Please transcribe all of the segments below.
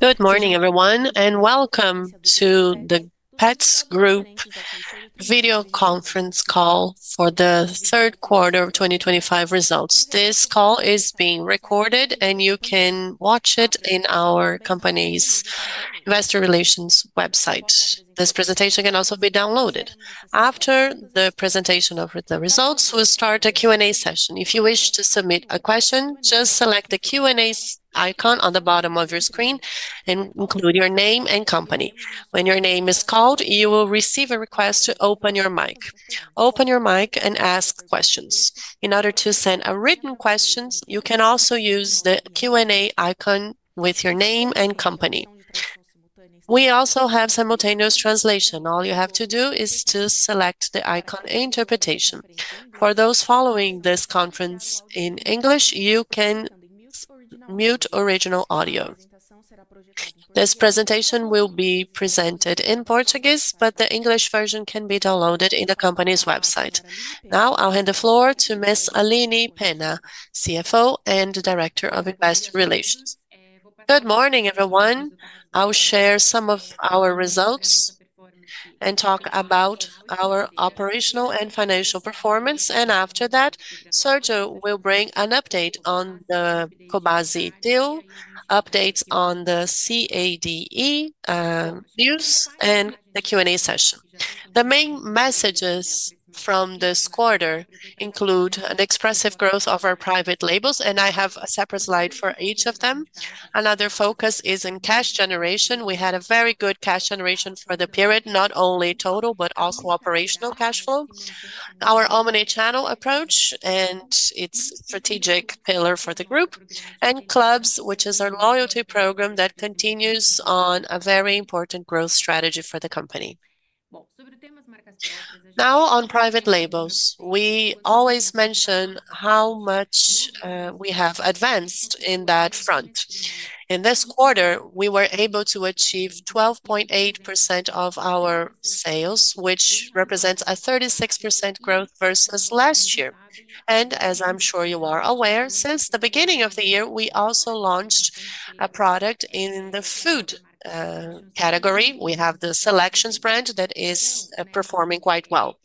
Good morning, everyone, and welcome to the Petz Group video conference call for the third quarter of 2025 results. This call is being recorded, and you can watch it on our company's investor relations website. This presentation can also be downloaded. After the presentation of the results, we'll start a Q&A session. If you wish to submit a question, just select the Q&A icon on the bottom of your screen and include your name and company. When your name is called, you will receive a request to open your mic. Open your mic and ask questions. In order to send a written question, you can also use the Q&A icon with your name and company. We also have simultaneous translation. All you have to do is select the icon interpretation. For those following this conference in English, you can mute original audio. This presentation will be presented in Portuguese, but the English version can be downloaded on the company's website. Now I'll hand the floor to Ms. Aline Pena, CFO and Director of Investor Relations. Good morning, everyone. I'll share some of our results. And talk about our operational and financial performance. After that, Sergio will bring an update on the Cobasi deal, updates on the CADE. News, and the Q&A session. The main messages from this quarter include an expressive growth of our private labels, and I have a separate slide for each of them. Another focus is in cash generation. We had a very good cash generation for the period, not only total but also operational cash flow. Our omni-channel approach and its strategic pillar for the group, and clubs, which is our loyalty program that continues on a very important growth strategy for the company. Now, on private labels, we always mention how much we have advanced in that front. In this quarter, we were able to achieve 12.8% of our sales, which represents a 36% growth versus last year. As I am sure you are aware, since the beginning of the year, we also launched a product in the food category. We have the Selections brand that is performing quite well.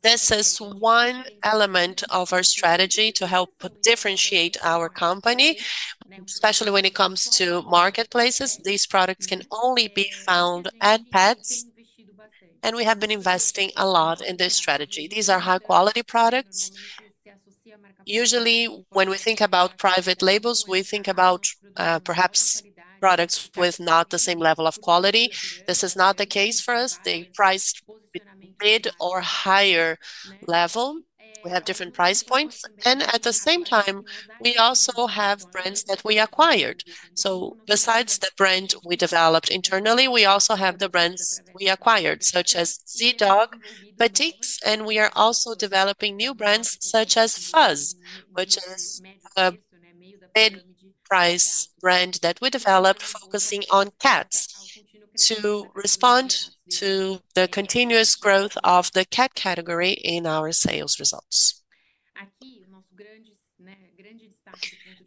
This is one element of our strategy to help differentiate our company. Especially when it comes to marketplaces, these products can only be found at Petz. We have been investing a lot in this strategy. These are high-quality products. Usually, when we think about private labels, we think about perhaps products with not the same level of quality. This is not the case for us. They are priced mid or higher level. We have different price points. At the same time, we also have brands that we acquired. So besides the brand we developed internally, we also have the brands we acquired, such as Z-Dog, Petits, and we are also developing new brands such as Fuzz, which is a mid-price brand that we developed focusing on cats to respond to the continuous growth of the cat category in our sales results.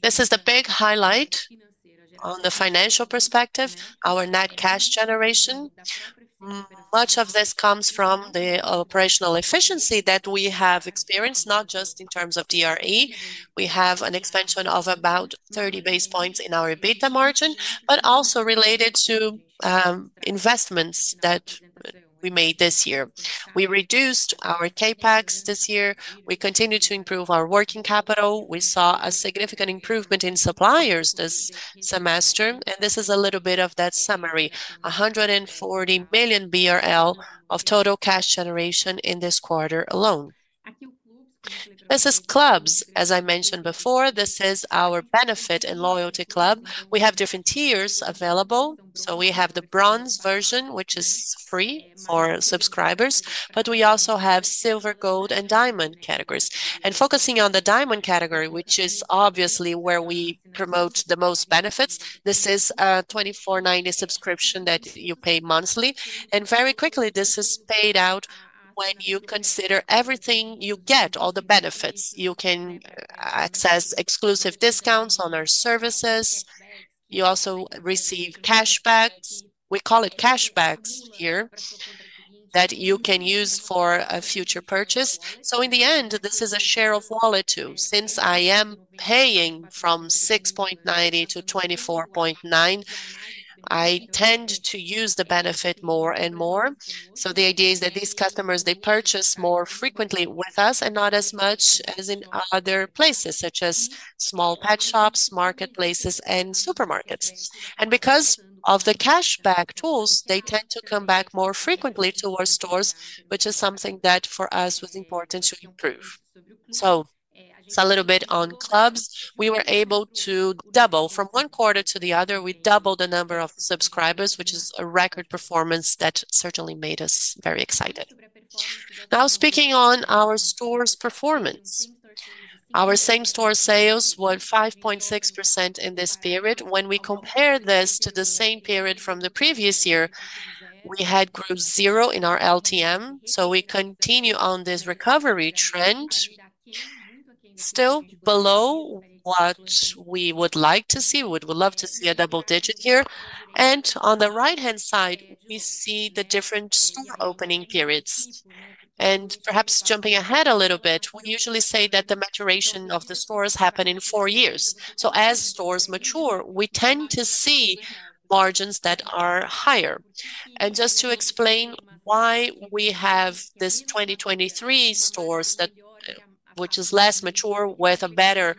This is the big highlight. On the financial perspective, our net cash generation. Much of this comes from the operational efficiency that we have experienced, not just in terms of DRE. We have an expansion of about 30 basis points in our EBITDA margin, but also related to investments that we made this year. We reduced our CAPEX this year. We continue to improve our working capital. We saw a significant improvement in suppliers this semester. This is a little bit of that summary: 140 million BRL of total cash generation in this quarter alone. This is Clubs, as I mentioned before. This is our benefit and loyalty club. We have different tiers available. We have the bronze version, which is free for subscribers, but we also have silver, gold, and diamond categories. Focusing on the diamond category, which is obviously where we promote the most benefits, this is a 24.90 subscription that you pay monthly. Very quickly, this is paid out when you consider everything you get, all the benefits. You can access exclusive discounts on our services. You also receive cashbacks. We call it cashbacks here. You can use that for a future purchase. In the end, this is a share of wallet too. Since I am paying from 6.90-24.90. I tend to use the benefit more and more. The idea is that these customers, they purchase more frequently with us and not as much as in other places, such as small pet shops, marketplaces, and supermarkets. Because of the cashback tools, they tend to come back more frequently to our stores, which is something that for us was important to improve. It is a little bit on clubs. We were able to double from one quarter to the other. We doubled the number of subscribers, which is a record performance that certainly made us very excited. Now, speaking on our store's performance. Our same store sales were 5.6% in this period. When we compare this to the same period from the previous year, we had growth zero in our LTM. We continue on this recovery trend. Still below what we would like to see. We would love to see a double digit here. On the right-hand side, we see the different store opening periods. Perhaps jumping ahead a little bit, we usually say that the maturation of the stores happens in four years. As stores mature, we tend to see margins that are higher. Just to explain why we have this 2023 stores, which is less mature with a better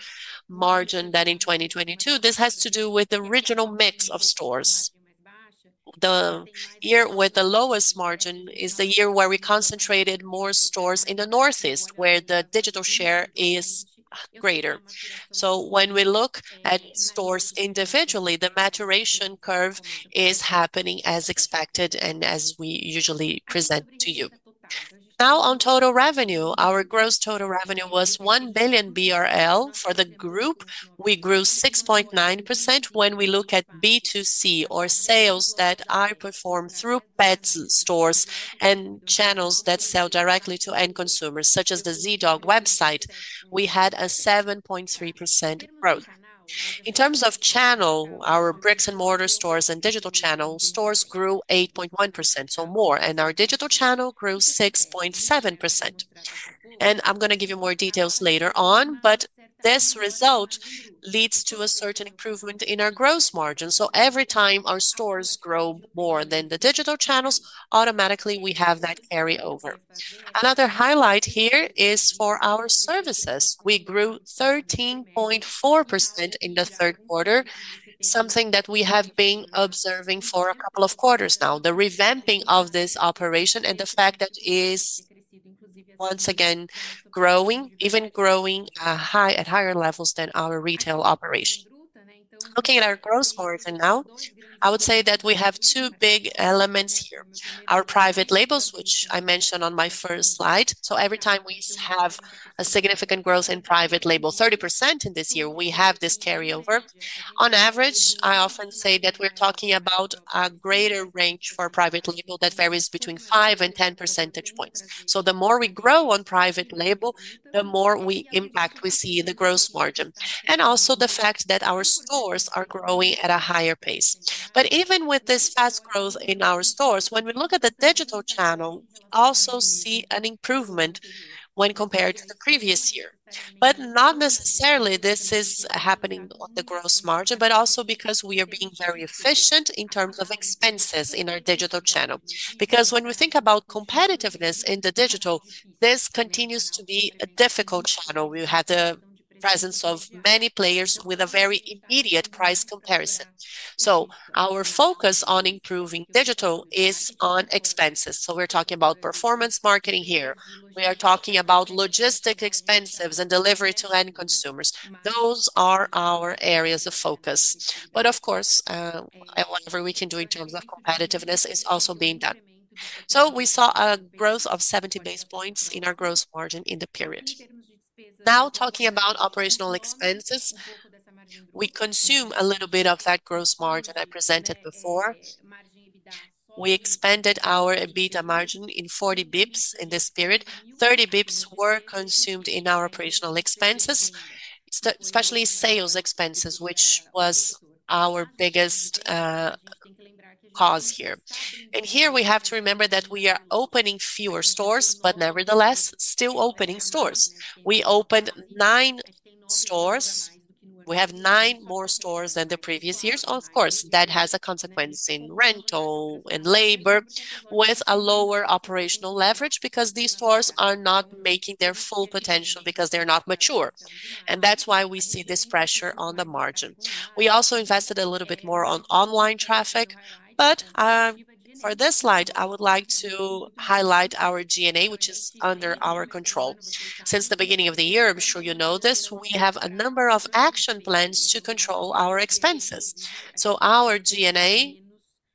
margin than in 2022, this has to do with the regional mix of stores. The year with the lowest margin is the year where we concentrated more stores in the Northeast, where the digital share is greater. When we look at stores individually, the maturation curve is happening as expected and as we usually present to you. Now, on total revenue, our gross total revenue was 1 billion BRL for the group. We grew 6.9% when we look at B2C or sales that I perform through Petz stores and channels that sell directly to end consumers, such as the Z-Dog website. We had a 7.3% growth. In terms of channel, our bricks and mortar stores and digital channel stores grew 8.1%, so more, and our digital channel grew 6.7%. I am going to give you more details later on, but this result leads to a certain improvement in our gross margin. Every time our stores grow more than the digital channels, automatically we have that carryover. Another highlight here is for our services. We grew 13.4% in the third quarter, something that we have been observing for a couple of quarters now. The revamping of this operation and the fact that it is once again growing, even growing at higher levels than our retail operation. Looking at our gross margin now, I would say that we have two big elements here: our private labels, which I mentioned on my first slide. Every time we have a significant growth in private label, 30% in this year, we have this carryover. On average, I often say that we are talking about a greater range for private label that varies between 5-10 percentage points. The more we grow on private label, the more impact we see in the gross margin. Also, the fact that our stores are growing at a higher pace. Even with this fast growth in our stores, when we look at the digital channel, we also see an improvement when compared to the previous year. Not necessarily this is happening on the gross margin, but also because we are being very efficient in terms of expenses in our digital channel. When we think about competitiveness in the digital, this continues to be a difficult channel. We have the presence of many players with a very immediate price comparison. Our focus on improving digital is on expenses. We are talking about performance marketing here. We are talking about logistic expenses and delivery to end consumers. Those are our areas of focus. Of course, whatever we can do in terms of competitiveness is also being done. We saw a growth of 70 basis points in our gross margin in the period. Now talking about operational expenses, we consume a little bit of that gross margin I presented before. We expanded our EBITDA margin in 40 basis points in this period. 30 basis points were consumed in our operational expenses. Especially sales expenses, which was our biggest cause here. Here we have to remember that we are opening fewer stores, but nevertheless still opening stores. We opened nine stores. We have nine more stores than the previous years. Of course, that has a consequence in rental and labor with a lower operational leverage because these stores are not making their full potential because they're not mature. That is why we see this pressure on the margin. We also invested a little bit more on online traffic. For this slide, I would like to highlight our G&A, which is under our control. Since the beginning of the year, I'm sure you know this, we have a number of action plans to control our expenses. Our G&A,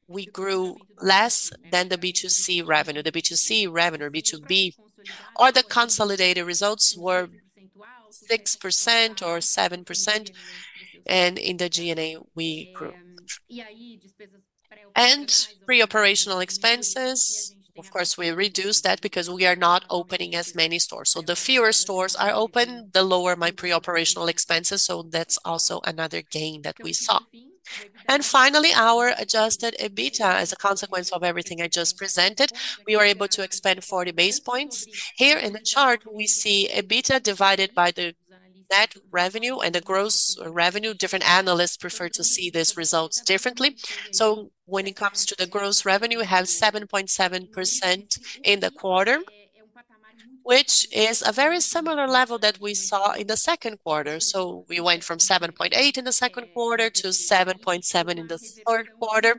we grew less than the B2C revenue. The B2C revenue, B2B, or the consolidated results were 6% or 7%. In the G&A, we grew. Pre-operational expenses, of course, we reduced that because we are not opening as many stores. The fewer stores are open, the lower my pre-operational expenses. That is also another gain that we saw. Finally, our adjusted EBITDA, as a consequence of everything I just presented, we were able to expand 40 basis points. Here in the chart, we see EBITDA divided by the net revenue and the gross revenue. Different analysts prefer to see these results differently. When it comes to the gross revenue, we have 7.7% in the quarter, which is a very similar level that we saw in the second quarter. We went from 7.8 in the second quarter to 7.7 in the third quarter.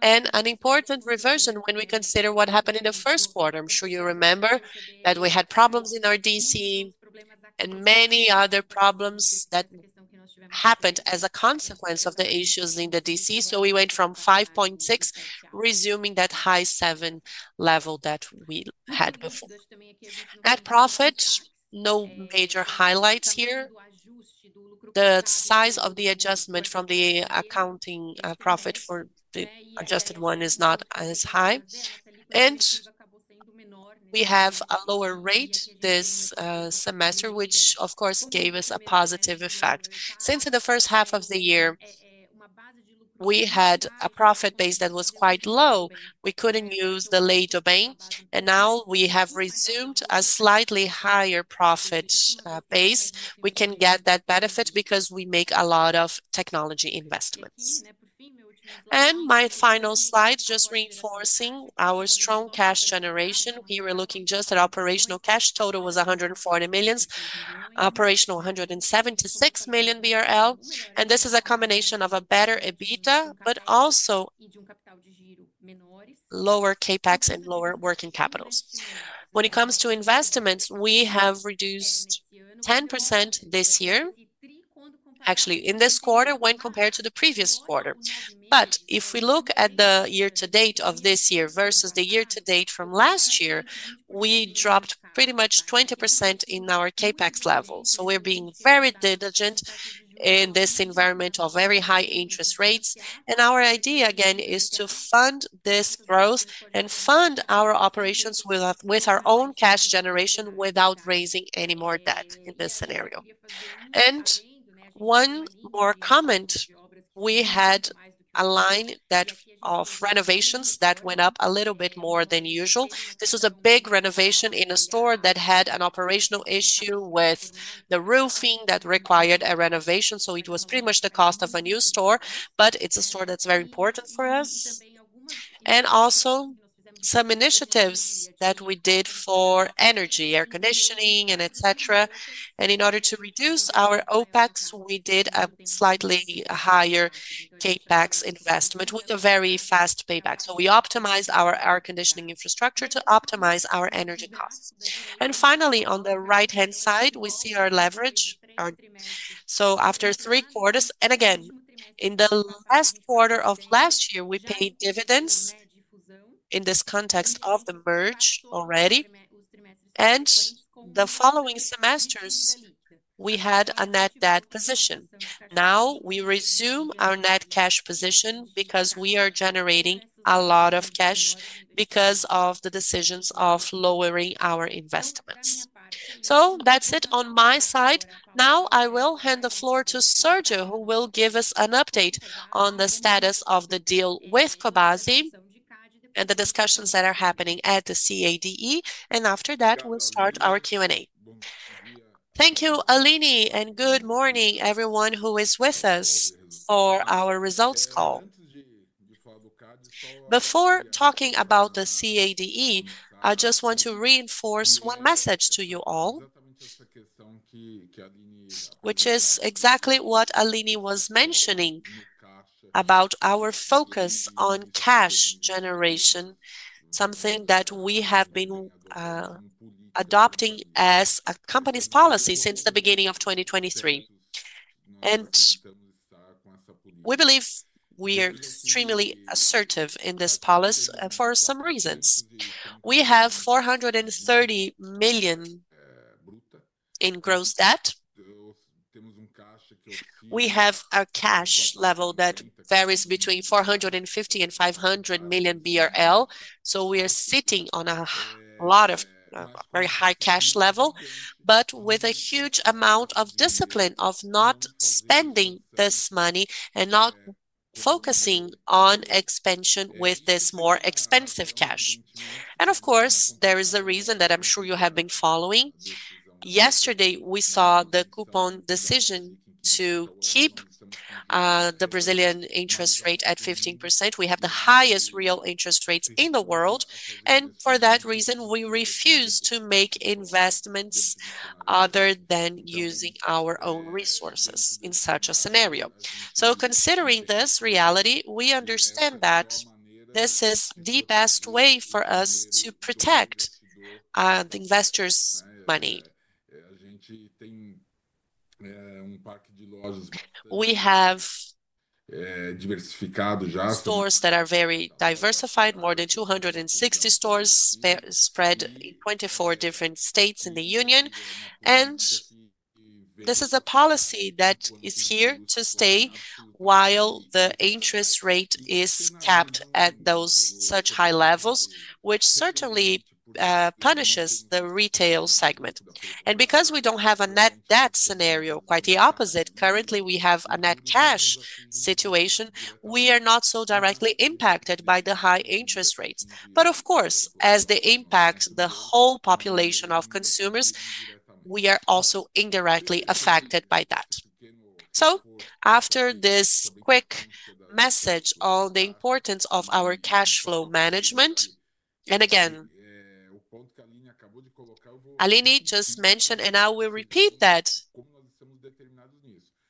An important reversion when we consider what happened in the first quarter. I'm sure you remember that we had problems in our DC, and many other problems that happened as a consequence of the issues in the DC. We went from 5.6, resuming that high 7 level that we had before. Net profit, no major highlights here. The size of the adjustment from the accounting profit for the adjusted one is not as high. We have a lower rate this semester, which of course gave us a positive effect. Since in the first half of the year, we had a profit base that was quite low, we could not use the late domain. Now we have resumed a slightly higher profit base. We can get that benefit because we make a lot of technology investments. My final slide, just reinforcing our strong cash generation. Here we are looking just at operational cash. Total was 140 million. Operational 176 million BRL. This is a combination of a better EBITDA, but also lower CAPEX and lower working capitals. When it comes to investments, we have reduced 10% this year, actually in this quarter when compared to the previous quarter. If we look at the year-to-date of this year versus the year-to-date from last year, we dropped pretty much 20% in our CAPEX level. We are being very diligent in this environment of very high interest rates. Our idea again is to fund this growth and fund our operations with our own cash generation without raising any more debt in this scenario. One more comment, we had a line of renovations that went up a little bit more than usual. This was a big renovation in a store that had an operational issue with the roofing that required a renovation. It was pretty much the cost of a new store, but it's a store that's very important for us. Also, some initiatives that we did for energy, air conditioning, and etc. In order to reduce our OpEx, we did a slightly higher CapEx investment with a very fast payback. We optimized our air conditioning infrastructure to optimize our energy costs. Finally, on the right-hand side, we see our leverage. After three quarters, and again, in the last quarter of last year, we paid dividends. In this context of the merge already. In the following semesters, we had a net debt position. Now we resume our net cash position because we are generating a lot of cash because of the decisions of lowering our investments. That's it on my side. Now I will hand the floor to Sergio, who will give us an update on the status of the deal with Cobasi and the discussions that are happening at the CADE. After that, we'll start our Q&A. Thank you, Aline, and good morning, everyone who is with us for our results call. Before talking about the CADE, I just want to reinforce one message to you all, which is exactly what Aline was mentioning about our focus on cash generation, something that we have been adopting as a company's policy since the beginning of 2023. We believe we are extremely assertive in this policy for some reasons. We have 430 million in gross debt. We have a cash level that varies between 450 million and 500 million BRL. We are sitting on a lot of very high cash level, but with a huge amount of discipline of not spending this money and not focusing on expansion with this more expensive cash. Of course, there is a reason that I am sure you have been following. Yesterday, we saw the coupon decision to keep the Brazilian interest rate at 15%. We have the highest real interest rates in the world. For that reason, we refuse to make investments other than using our own resources in such a scenario. Considering this reality, we understand that this is the best way for us to protect the investors' money. We have stores that are very diversified, more than 260 stores spread in 24 different states in the union. This is a policy that is here to stay while the interest rate is capped at such high levels, which certainly punishes the retail segment. Because we do not have a net debt scenario, quite the opposite, currently we have a net cash situation, we are not so directly impacted by the high interest rates. Of course, as they impact the whole population of consumers, we are also indirectly affected by that. After this quick message on the importance of our cash flow management. Again, Aline just mentioned, and I will repeat that,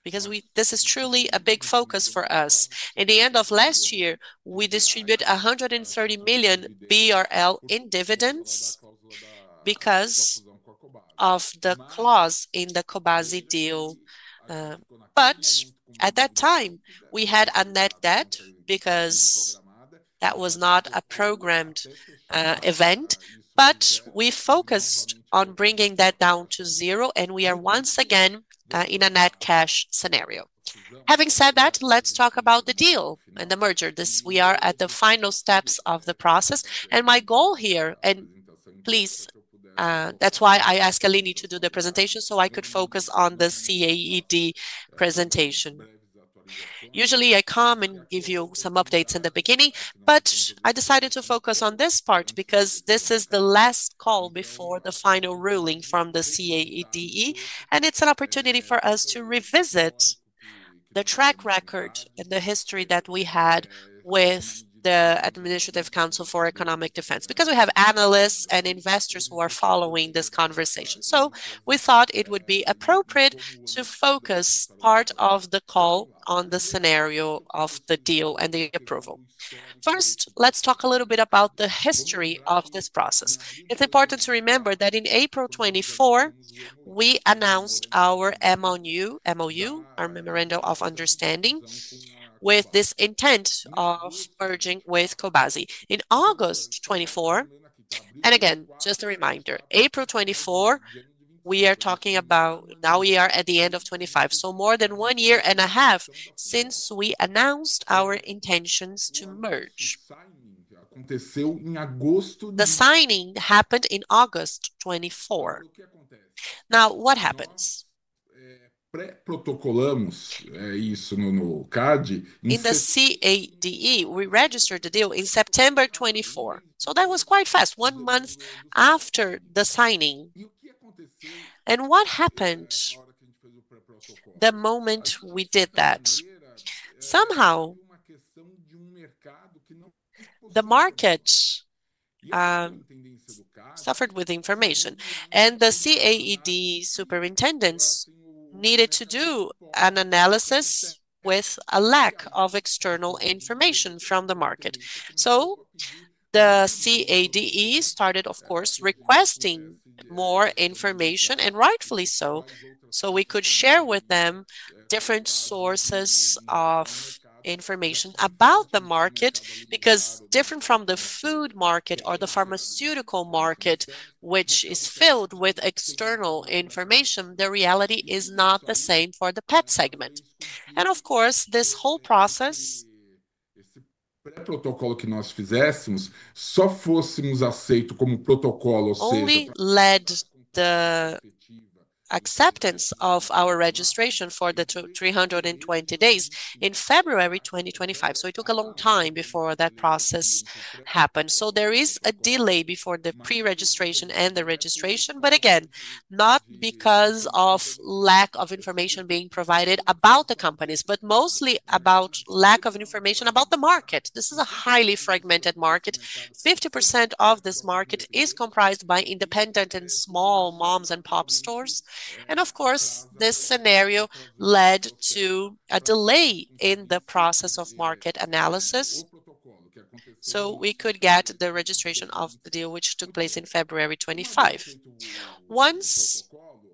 because this is truly a big focus for us. In the end of last year, we distributed 130 million BRL in dividends because of the clause in the Cobasi deal. At that time, we had a net debt because that was not a programmed event. We focused on bringing that down to zero, and we are once again in a net cash scenario. Having said that, let's talk about the deal and the merger. We are at the final steps of the process. My goal here, and please, that's why I asked Aline to do the presentation so I could focus on the CADE presentation. Usually, I come and give you some updates in the beginning, but I decided to focus on this part because this is the last call before the final ruling from the CADE. It is an opportunity for us to revisit the track record and the history that we had with the Administrative Council for Economic Defense. We have analysts and investors who are following this conversation. We thought it would be appropriate to focus part of the call on the scenario of the deal and the approval. First, let's talk a little bit about the history of this process. It's important to remember that in April 2024, we announced our MOU, our Memorandum of Understanding, with this intent of merging with Cobasi. In August 2024, and again, just a reminder, April 2024. We are talking about now we are at the end of 2025, so more than one year and a half since we announced our intentions to merge. The signing happened in August 2024. Now, what happens? In the CADE, we registered the deal in September 2024. That was quite fast, one month after the signing. What happened the moment we did that? Somehow, the market suffered with information. The CADE superintendents needed to do an analysis with a lack of external information from the market. The CADE started, of course, requesting more information, and rightfully so, so we could share with them different sources of information about the market. Because different from the food market or the pharmaceutical market, which is filled with external information, the reality is not the same for the pet segment. This whole process only led the acceptance of our registration for the 320 days in February 2025. It took a long time before that process happened. There is a delay before the pre-registration and the registration. Again, not because of lack of information being provided about the companies, but mostly about lack of information about the market. This is a highly fragmented market. 50% of this market is comprised by independent and small mom and pop stores. This scenario led to a delay in the process of market analysis. We could get the registration of the deal, which took place in February 25. Once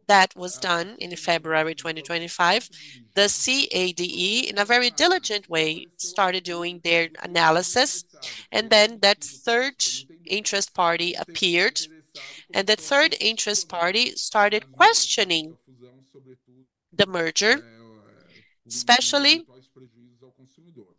that was done in February 2025, the CADE, in a very diligent way, started doing their analysis. That third interest party appeared. The third interest party started questioning the merger, especially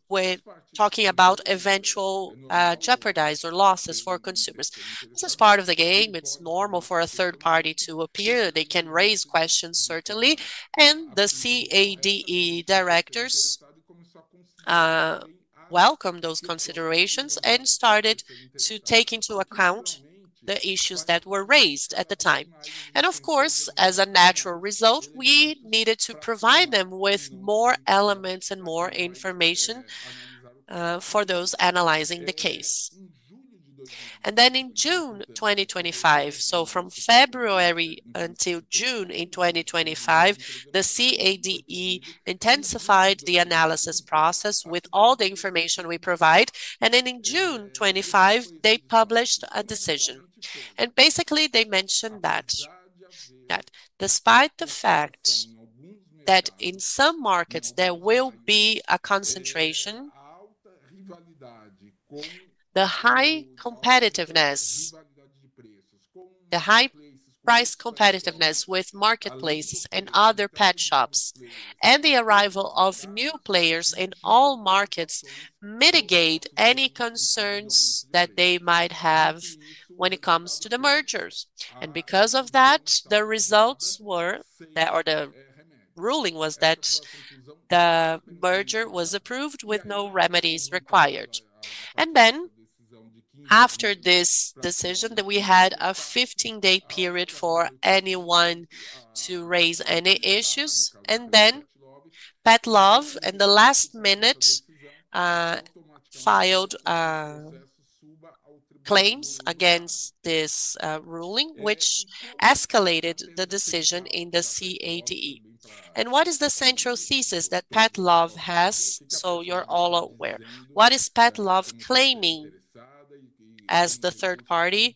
with talking about eventual jeopardies or losses for consumers. This is part of the game. It's normal for a third party to appear. They can raise questions, certainly. The CADE directors welcomed those considerations and started to take into account the issues that were raised at the time. As a natural result, we needed to provide them with more elements and more information. For those analyzing the case. In June 2025, from February until June in 2025, the CADE intensified the analysis process with all the information we provide. In June 2025, they published a decision. Basically, they mentioned that despite the fact that in some markets there will be a concentration, the high competitiveness, the high price competitiveness with marketplaces and other pet shops, and the arrival of new players in all markets mitigate any concerns that they might have when it comes to the mergers. Because of that, the results were that, or the ruling was that, the merger was approved with no remedies required. After this decision, we had a 15-day period for anyone to raise any issues. Pet Love, at the last minute, filed claims against this ruling, which escalated the decision in the CADE. What is the central thesis that Pet Love has? You are all aware. What is Pet Love claiming as the third party,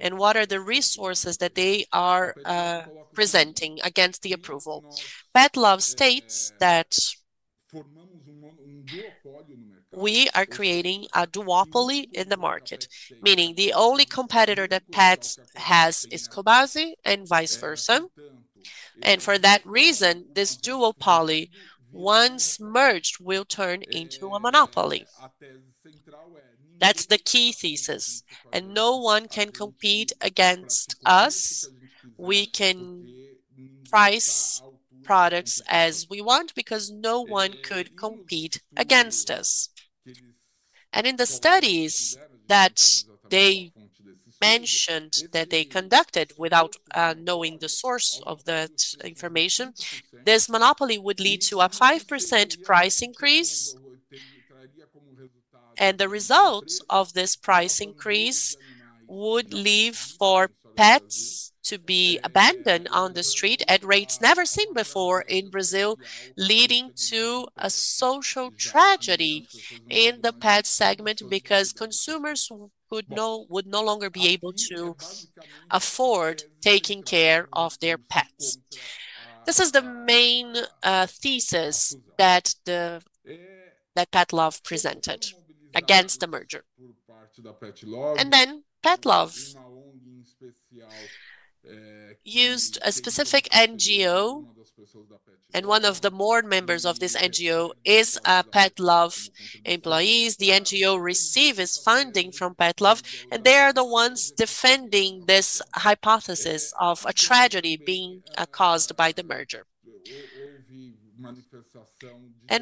and what are the resources that they are presenting against the approval? Pet Love states that we are creating a duopoly in the market, meaning the only competitor that Petz has is Cobasi and vice versa. For that reason, this duopoly, once merged, will turn into a monopoly. That is the key thesis. No one can compete against us. We can price products as we want because no one could compete against us. In the studies that they mentioned that they conducted, without knowing the source of that information, this monopoly would lead to a 5% price increase. The result of this price increase would leave for pets to be abandoned on the street at rates never seen before in Brazil, leading to a social tragedy in the pet segment because consumers would no longer be able to afford taking care of their pets. This is the main thesis that Pet Love presented against the merger. Pet Love used a specific NGO, and one of the board members of this NGO is a Pet Love employee. The NGO receives funding from Pet Love, and they are the ones defending this hypothesis of a tragedy being caused by the merger.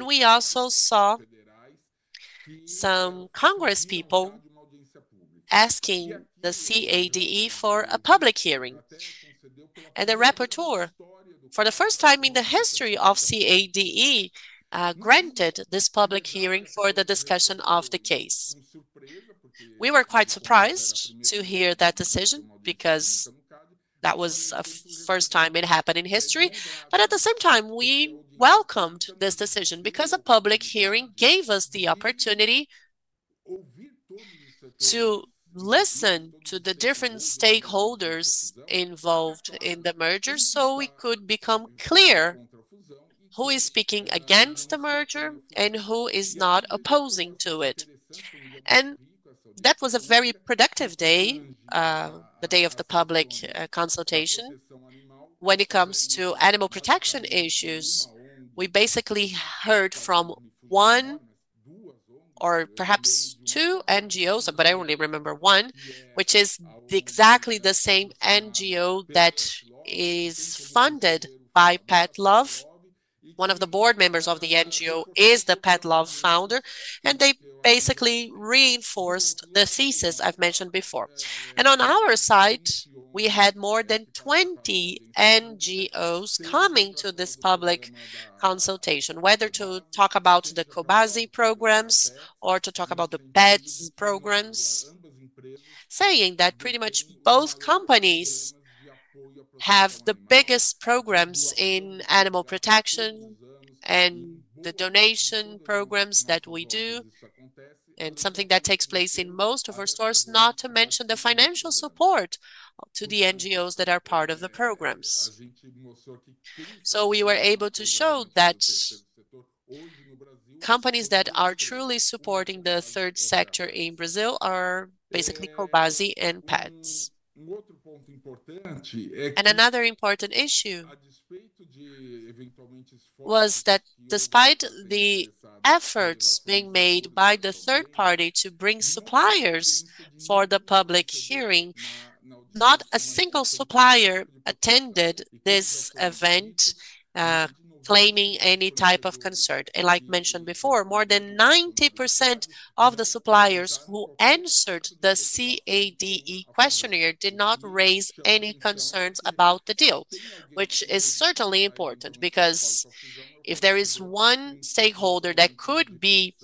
We also saw some Congress people asking the CADE for a public hearing. The rapporteur, for the first time in the history of CADE, granted this public hearing for the discussion of the case. We were quite surprised to hear that decision because. That was the first time it happened in history. At the same time, we welcomed this decision because a public hearing gave us the opportunity to listen to the different stakeholders involved in the merger so we could become clear who is speaking against the merger and who is not opposing to it. That was a very productive day, the day of the public consultation. When it comes to animal protection issues, we basically heard from one or perhaps two NGOs, but I only remember one, which is exactly the same NGO that is funded by Pet Love. One of the board members of the NGO is the Pet Love founder, and they basically reinforced the thesis I have mentioned before. On our side, we had more than 20 NGOs coming to this public. Consultation, whether to talk about the Cobasi programs or to talk about the Petz programs. Saying that pretty much both companies have the biggest programs in animal protection and the donation programs that we do. Something that takes place in most of our stores, not to mention the financial support to the NGOs that are part of the programs. We were able to show that companies that are truly supporting the third sector in Brazil are basically Cobasi and Petz. Another important issue was that despite the efforts being made by the third party to bring suppliers for the public hearing, not a single supplier attended this event claiming any type of concern. Like mentioned before, more than 90% of the suppliers who answered the CADE questionnaire did not raise any concerns about the deal, which is certainly important because if there is one stakeholder that could be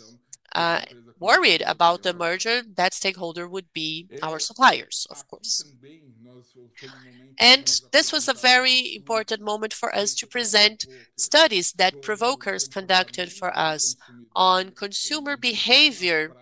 worried about the merger, that stakeholder would be our suppliers, of course. This was a very important moment for us to present studies that provokers conducted for us on consumer behavior,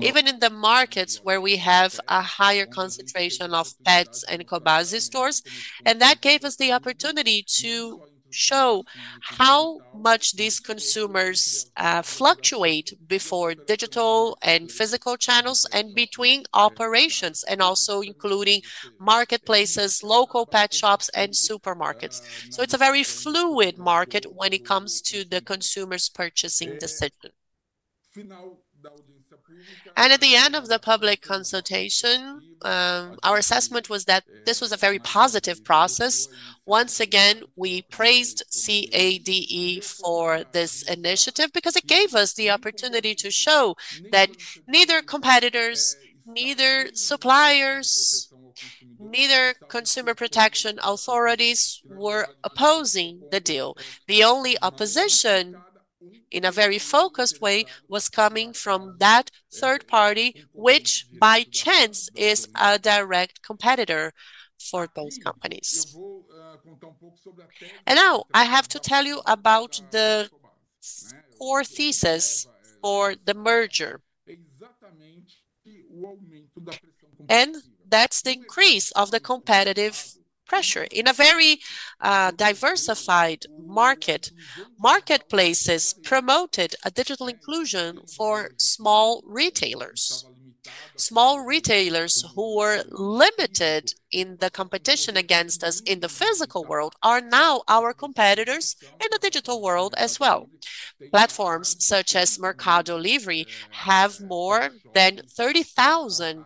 even in the markets where we have a higher concentration of Petz and Cobasi stores. That gave us the opportunity to show how much these consumers fluctuate between digital and physical channels and between operations, and also including marketplaces, local pet shops, and supermarkets. It is a very fluid market when it comes to the consumer's purchasing decision. At the end of the public consultation, our assessment was that this was a very positive process. Once again, we praised CADE for this initiative because it gave us the opportunity to show that neither competitors, neither suppliers, neither consumer protection authorities were opposing the deal. The only opposition, in a very focused way, was coming from that third party, which by chance is a direct competitor for both companies. Now I have to tell you about the core thesis for the merger, and that's the increase of the competitive pressure. In a very diversified market, marketplaces promoted a digital inclusion for small retailers. Small retailers who were limited in the competition against us in the physical world are now our competitors in the digital world as well. Platforms such as Mercado Livre have more than 30,000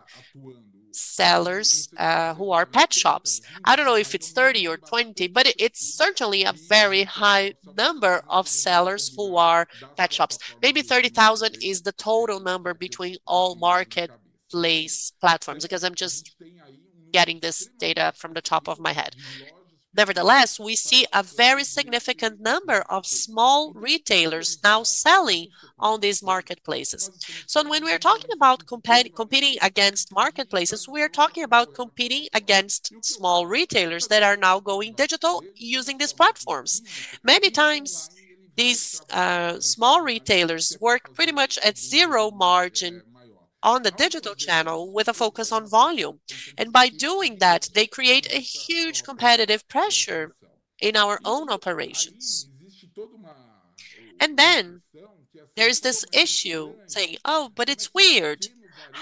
sellers who are pet shops. I don't know if it's 30 or 20, but it's certainly a very high number of sellers who are pet shops. Maybe 30,000 is the total number between all marketplace platforms because I'm just getting this data from the top of my head. Nevertheless, we see a very significant number of small retailers now selling on these marketplaces. When we are talking about competing against marketplaces, we are talking about competing against small retailers that are now going digital using these platforms. Many times, these small retailers work pretty much at zero margin on the digital channel with a focus on volume. By doing that, they create a huge competitive pressure in our own operations. There is this issue saying, "Oh, but it's weird.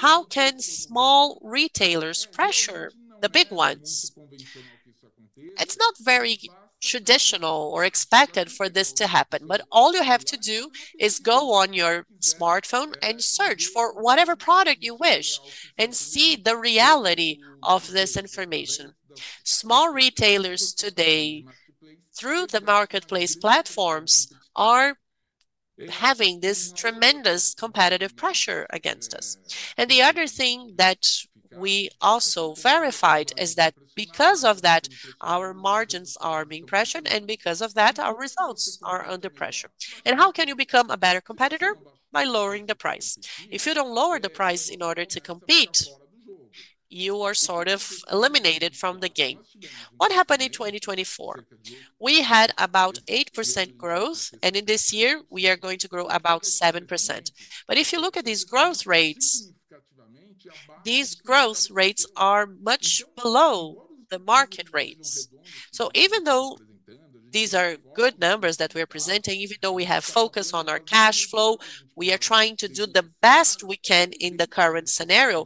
How can small retailers pressure the big ones?" It's not very traditional or expected for this to happen, but all you have to do is go on your smartphone and search for whatever product you wish and see the reality of this information. Small retailers today, through the marketplace platforms, are having this tremendous competitive pressure against us. The other thing that we also verified is that because of that, our margins are being pressured, and because of that, our results are under pressure. How can you become a better competitor? By lowering the price. If you do not lower the price in order to compete, you are sort of eliminated from the game. What happened in 2024? We had about 8% growth, and in this year, we are going to grow about 7%. If you look at these growth rates, these growth rates are much below the market rates. Even though. These are good numbers that we are presenting, even though we have focus on our cash flow, we are trying to do the best we can in the current scenario.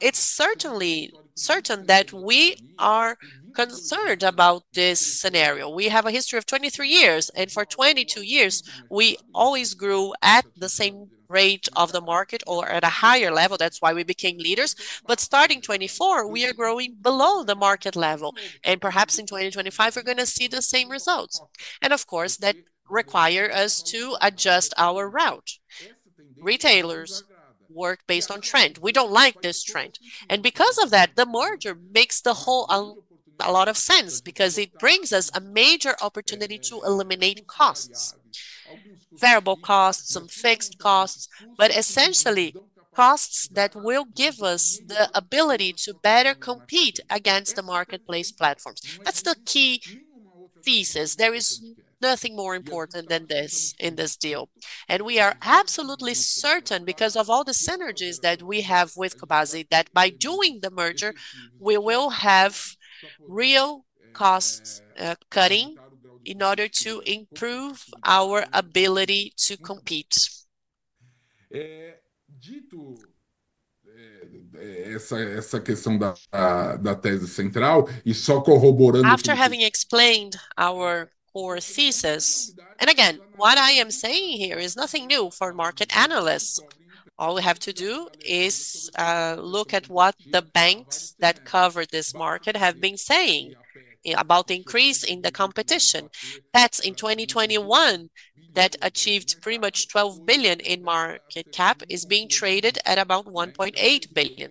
It is certainly certain that we are concerned about this scenario. We have a history of 23 years, and for 22 years, we always grew at the same rate of the market or at a higher level. That is why we became leaders. Starting in 2024, we are growing below the market level, and perhaps in 2025, we are going to see the same results. Of course, that requires us to adjust our route. Retailers work based on trend. We do not like this trend. Because of that, the merger makes the whole a lot of sense because it brings us a major opportunity to eliminate costs. Variable costs, some fixed costs, but essentially costs that will give us the ability to better compete against the marketplace platforms. That is the key thesis. There is nothing more important than this in this deal. We are absolutely certain because of all the synergies that we have with Cobasi that by doing the merger, we will have real cost cutting in order to improve our ability to compete. After having explained our core thesis, and again, what I am saying here is nothing new for market analysts. All we have to do is look at what the banks that cover this market have been saying about the increase in the competition. Petz in 2021 that achieved pretty much 12 billion in market cap is being traded at about 1.8 billion,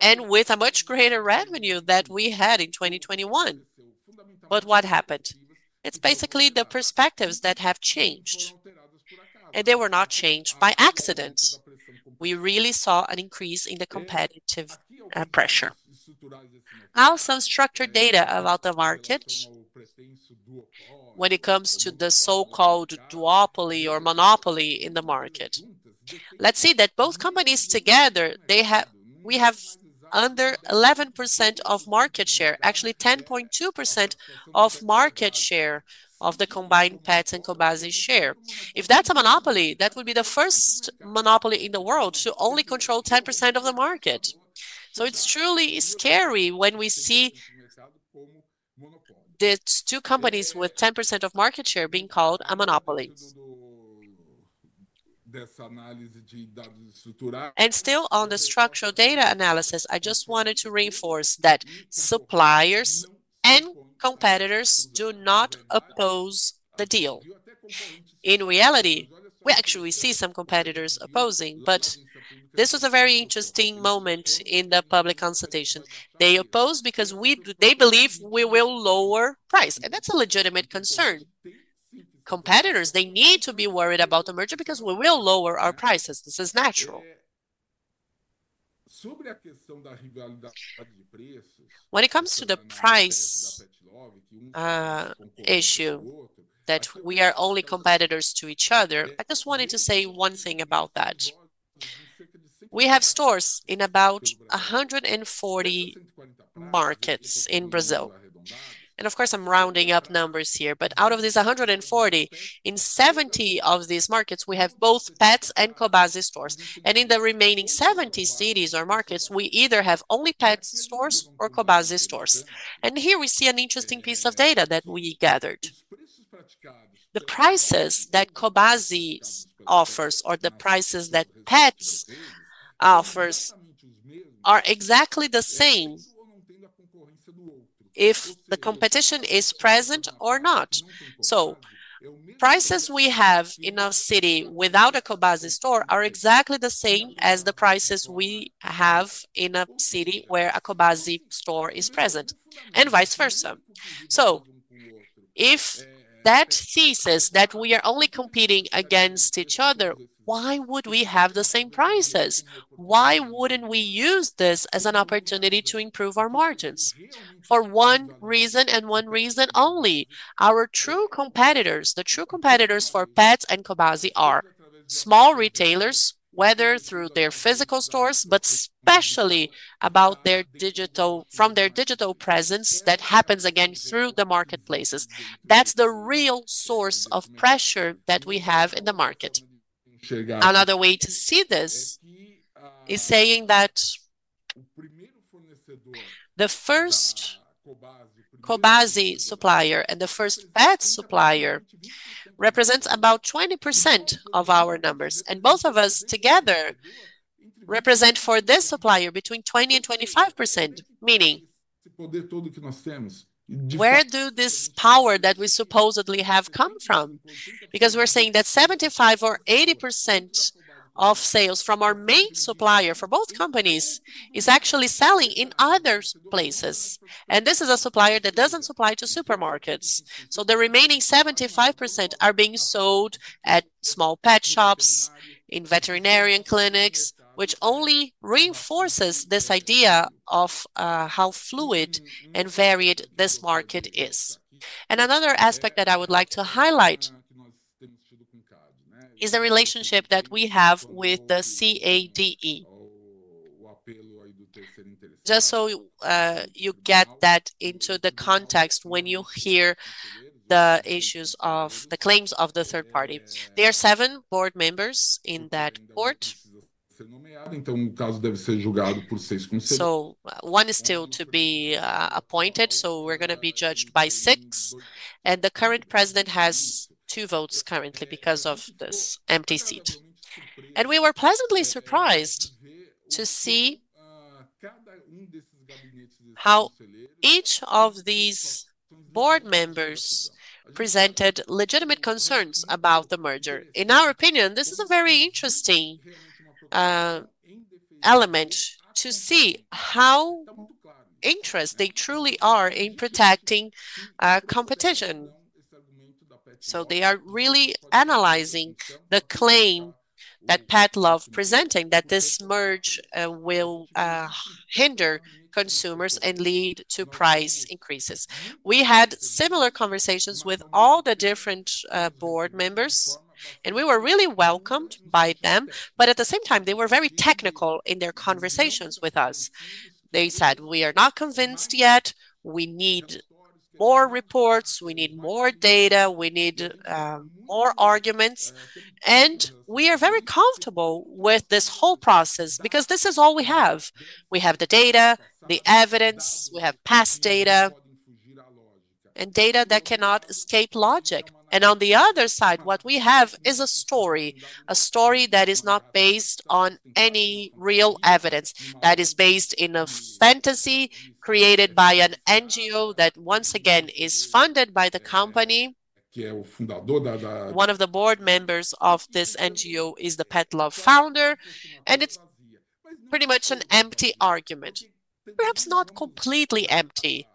and with a much greater revenue than we had in 2021. What happened? It's basically the perspectives that have changed. They were not changed by accident. We really saw an increase in the competitive pressure. I'll give some structured data about the market. When it comes to the so-called duopoly or monopoly in the market, let's see that both companies together, we have under 11% of market share, actually 10.2% of market share of the combined Petz and Cobasi share. If that's a monopoly, that would be the first monopoly in the world to only control 10% of the market. It's truly scary when we see these two companies with 10% of market share being called a monopoly. Still on the structural data analysis, I just wanted to reinforce that suppliers and competitors do not oppose the deal. In reality, we actually see some competitors opposing, but this was a very interesting moment in the public consultation. They oppose because they believe we will lower price. And that's a legitimate concern. Competitors, they need to be worried about the merger because we will lower our prices. This is natural. When it comes to the price issue that we are only competitors to each other, I just wanted to say one thing about that. We have stores in about 140 markets in Brazil. Of course, I'm rounding up numbers here, but out of these 140, in 70 of these markets, we have both Petz and Cobasi stores. In the remaining 70 cities or markets, we either have only Petz stores or Cobasi stores. Here we see an interesting piece of data that we gathered. The prices that Cobasi offers or the prices that Petz offers are exactly the same if the competition is present or not. Prices we have in a city without a Cobasi store are exactly the same as the prices we have in a city where a Cobasi store is present, and vice versa. If that thesis that we are only competing against each other, why would we have the same prices? Why would we not use this as an opportunity to improve our margins? For one reason and one reason only. Our true competitors, the true competitors for Petz and Cobasi, are small retailers, whether through their physical stores, but especially about their digital, from their digital presence that happens again through the marketplaces. That is the real source of pressure that we have in the market. Another way to see this is saying that the first Cobasi supplier and the first Petz supplier represent about 20% of our numbers. And both of us together. Represent for this supplier between 20% and 25%, meaning. Where do this power that we supposedly have come from? Because we're saying that 75% or 80% of sales from our main supplier for both companies is actually selling in other places. This is a supplier that doesn't supply to supermarkets. The remaining 75% are being sold at small pet shops, in veterinarian clinics, which only reinforces this idea of how fluid and varied this market is. Another aspect that I would like to highlight is the relationship that we have with the CADE. Just so you get that into the context when you hear the issues of the claims of the third party. There are seven board members in that court. One is still to be appointed, so we're going to be judged by six. The current president has two votes currently because of this empty seat. We were pleasantly surprised to see how each of these board members presented legitimate concerns about the merger. In our opinion, this is a very interesting element to see how interested they truly are in protecting competition. They are really analyzing the claim that Pet Love presented that this merger will hinder consumers and lead to price increases. We had similar conversations with all the different board members, and we were really welcomed by them. At the same time, they were very technical in their conversations with us. They said, "We are not convinced yet. We need more reports. We need more data. We need more arguments." We are very comfortable with this whole process because this is all we have. We have the data, the evidence, we have past data. Data that cannot escape logic. On the other side, what we have is a story, a story that is not based on any real evidence. That is based in a fantasy created by an NGO that, once again, is funded by the company. One of the board members of this NGO is the Pet Love founder, and it's pretty much an empty argument. Perhaps not completely empty,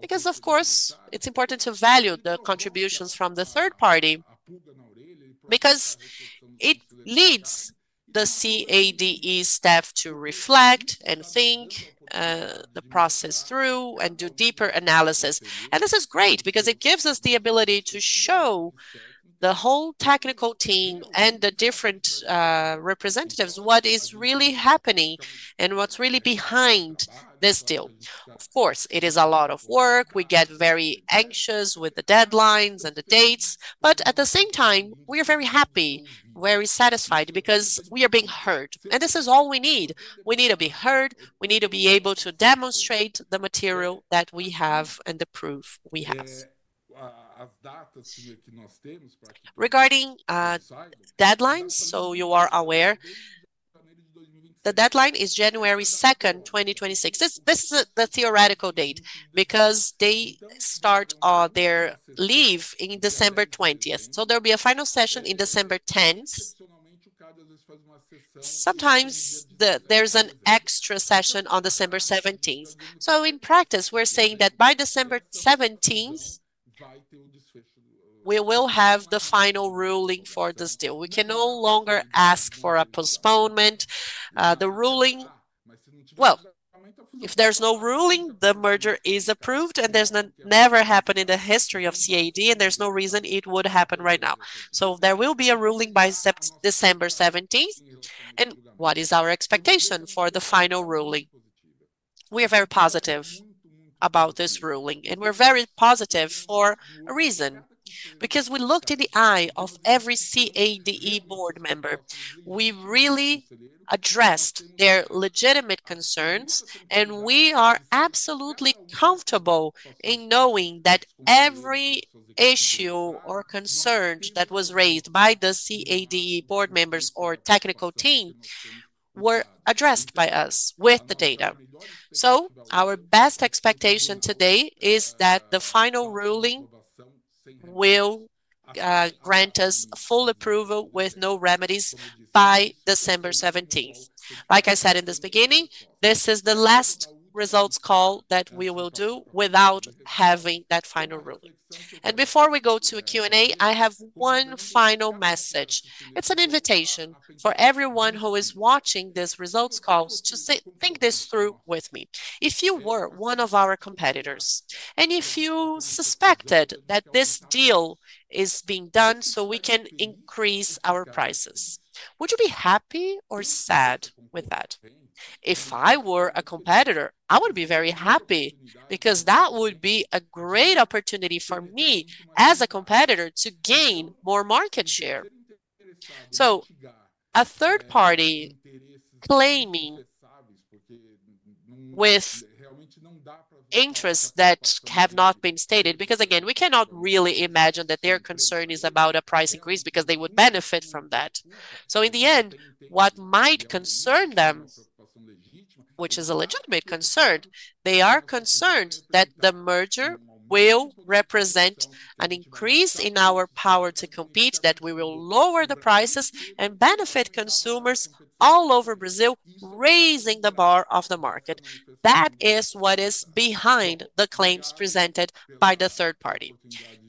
because, of course, it's important to value the contributions from the third party, because it leads the CADE staff to reflect and think the process through and do deeper analysis. This is great because it gives us the ability to show the whole technical team and the different representatives what is really happening and what's really behind this deal. Of course, it is a lot of work. We get very anxious with the deadlines and the dates, but at the same time, we are very happy, very satisfied because we are being heard. This is all we need. We need to be heard. We need to be able to demonstrate the material that we have and the proof we have. Regarding deadlines, so you are aware, the deadline is January 2, 2026. This is the theoretical date because they start their leave on December 20. There will be a final session on December 10. Sometimes there is an extra session on December 17. In practice, we are saying that by December 17, we will have the final ruling for this deal. We can no longer ask for a postponement. The ruling. If there's no ruling, the merger is approved, and that's never happened in the history of CADE, and there's no reason it would happen right now. There will be a ruling by December 17th. What is our expectation for the final ruling? We are very positive about this ruling, and we're very positive for a reason. Because we looked in the eye of every CADE board member. We really addressed their legitimate concerns, and we are absolutely comfortable in knowing that every issue or concern that was raised by the CADE board members or technical team were addressed by us with the data. Our best expectation today is that the final ruling will grant us full approval with no remedies by December 17th. Like I said in the beginning, this is the last results call that we will do without having that final ruling. Before we go to a Q&A, I have one final message. It's an invitation for everyone who is watching these results calls to think this through with me. If you were one of our competitors, and if you suspected that this deal is being done so we can increase our prices, would you be happy or sad with that? If I were a competitor, I would be very happy because that would be a great opportunity for me as a competitor to gain more market share. A third party claiming with interests that have not been stated, because again, we cannot really imagine that their concern is about a price increase because they would benefit from that. In the end, what might concern them, which is a legitimate concern, they are concerned that the merger will represent an increase in our power to compete, that we will lower the prices and benefit consumers all over Brazil, raising the bar of the market. That is what is behind the claims presented by the third party.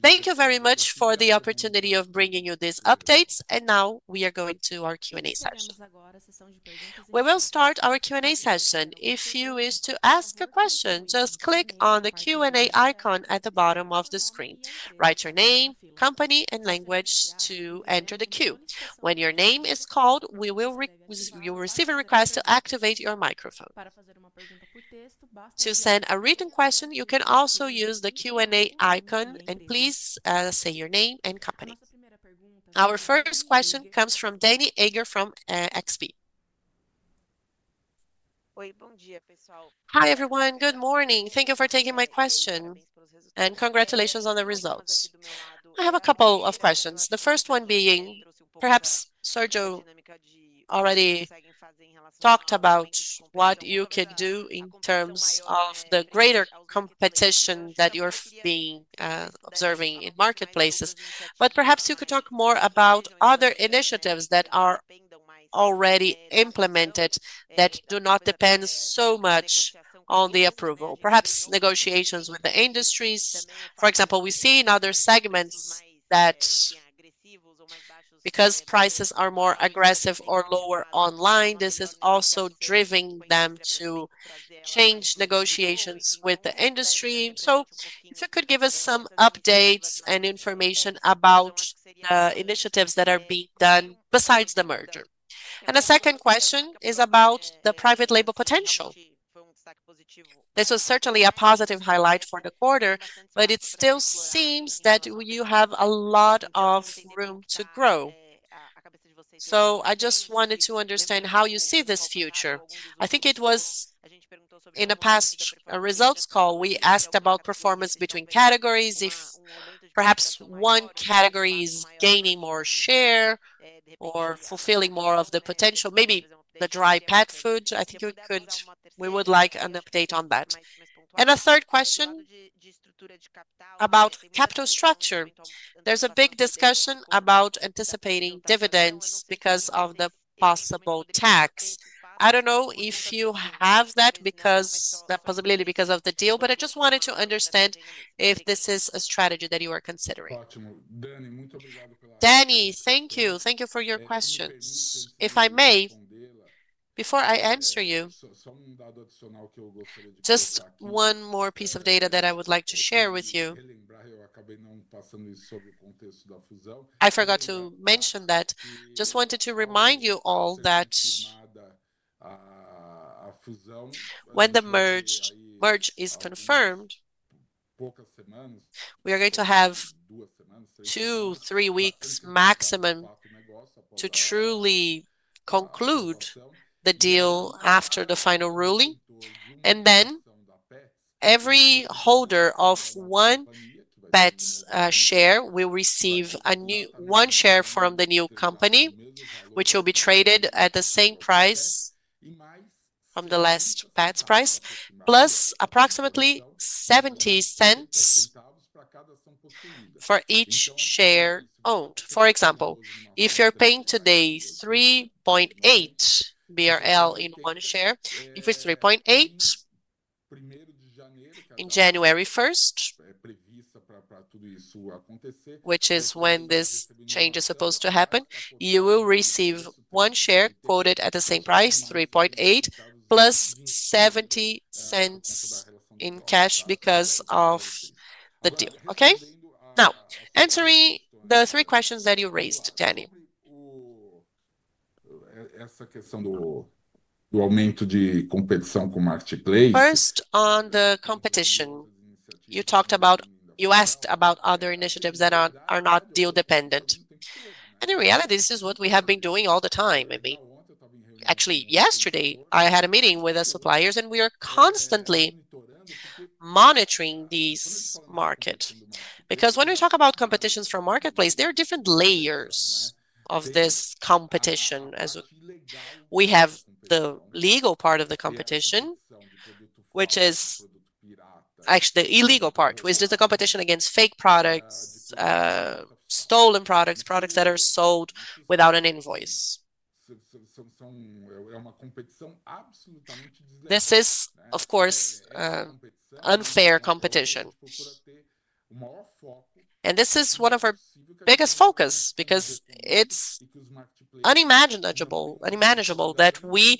Thank you very much for the opportunity of bringing you these updates. Now we are going to our Q&A session. We will start our Q&A session. If you wish to ask a question, just click on the Q&A icon at the bottom of the screen. Write your name, company, and language to enter the queue. When your name is called, you will receive a request to activate your microphone. To send a written question, you can also use the Q&A icon, and please say your name and company. Our first question comes from Danny Ager from XP. Hi, everyone. Good morning. Thank you for taking my question, and congratulations on the results. I have a couple of questions. The first one being, perhaps Sergio already talked about what you could do in terms of the greater competition that you're being observing in marketplaces. Perhaps you could talk more about other initiatives that are already implemented that do not depend so much on the approval. Perhaps negotiations with the industries. For example, we see in other segments that because prices are more aggressive or lower online, this is also driving them to change negotiations with the industry. If you could give us some updates and information about the initiatives that are being done besides the merger. The second question is about the private label potential. This was certainly a positive highlight for the quarter, but it still seems that you have a lot of room to grow. I just wanted to understand how you see this future. I think it was. In a past results call, we asked about performance between categories, if perhaps one category is gaining more share or fulfilling more of the potential, maybe the dry pet food. I think we would like an update on that. A third question about capital structure. There is a big discussion about anticipating dividends because of the possible tax. I do not know if you have that possibility because of the deal, but I just wanted to understand if this is a strategy that you are considering. Danny, thank you. Thank you for your questions. If I may. Before I answer you. Just one more piece of data that I would like to share with you. I forgot to mention that. Just wanted to remind you all that when the merge is confirmed, we are going to have two-three weeks maximum to truly conclude the deal after the final ruling. Every holder of one Petz share will receive one share from the new company, which will be traded at the same price from the last Petz price, plus approximately 0.70 for each share owned. For example, if you're paying today 3.8 BRL in one share, if it's 3.8 in January 1st, which is when this change is supposed to happen, you will receive one share quoted at the same price, 3.8, plus 0.70 in cash because of the deal. Okay? Now, answering the three questions that you raised, Danny. First, on the competition. You talked about, you asked about other initiatives that are not deal dependent. In reality, this is what we have been doing all the time. I mean, actually, yesterday, I had a meeting with the suppliers, and we are constantly monitoring this market. Because when we talk about competitions from marketplace, there are different layers of this competition. We have the legal part of the competition, which is actually the illegal part, which is the competition against fake products, stolen products, products that are sold without an invoice. This is, of course, unfair competition. This is one of our biggest focuses because it's unimaginable, unimaginable that we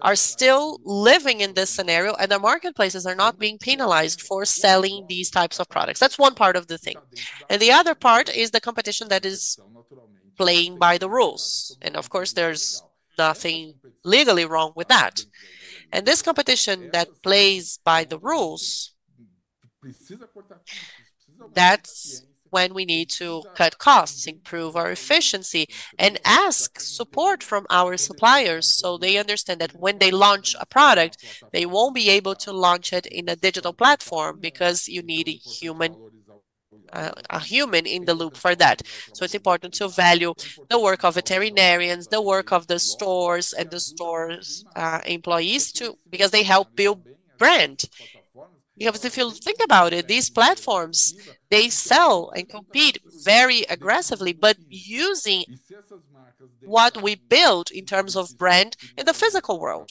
are still living in this scenario and our marketplaces are not being penalized for selling these types of products. That's one part of the thing. The other part is the competition that is playing by the rules. Of course, there's nothing legally wrong with that. This competition plays by the rules. That's when we need to cut costs, improve our efficiency, and ask support from our suppliers so they understand that when they launch a product, they won't be able to launch it in a digital platform because you need a human in the loop for that. It's important to value the work of veterinarians, the work of the stores and the store employees because they help build brand. If you think about it, these platforms sell and compete very aggressively, but using what we build in terms of brand in the physical world.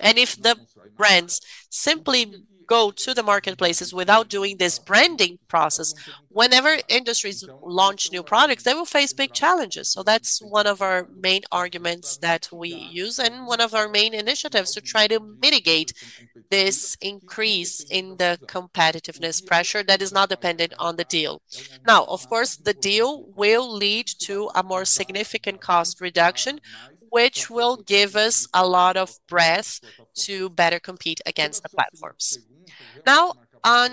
If the brands simply go to the marketplaces without doing this branding process, whenever industries launch new products, they will face big challenges. That is one of our main arguments that we use and one of our main initiatives to try to mitigate this increase in the competitiveness pressure that is not dependent on the deal. Of course, the deal will lead to a more significant cost reduction, which will give us a lot of breadth to better compete against the platforms. On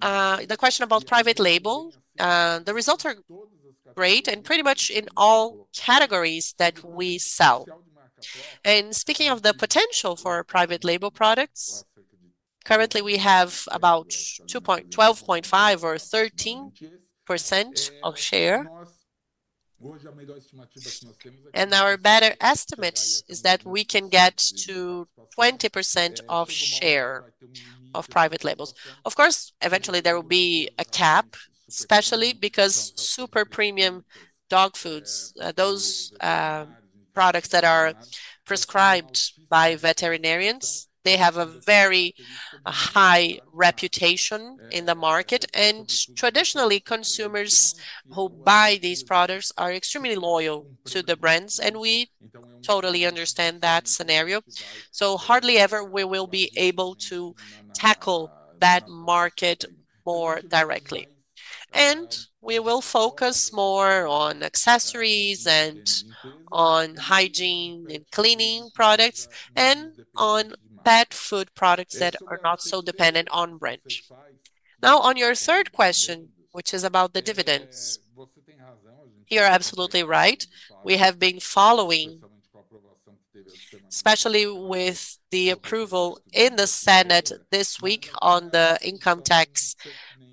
the question about private label, the results are great and pretty much in all categories that we sell. Speaking of the potential for private label products, currently, we have about 12.5% or 13% of share. Our better estimate is that we can get to 20% of share of private labels. Of course, eventually, there will be a cap, especially because super premium dog foods, those products that are prescribed by veterinarians, they have a very high reputation in the market. Traditionally, consumers who buy these products are extremely loyal to the brands, and we totally understand that scenario. Hardly ever will we be able to tackle that market more directly. We will focus more on accessories and on hygiene and cleaning products and on pet food products that are not so dependent on brand. Now, on your third question, which is about the dividends. You're absolutely right. We have been following, especially with the approval in the Senate this week on the income tax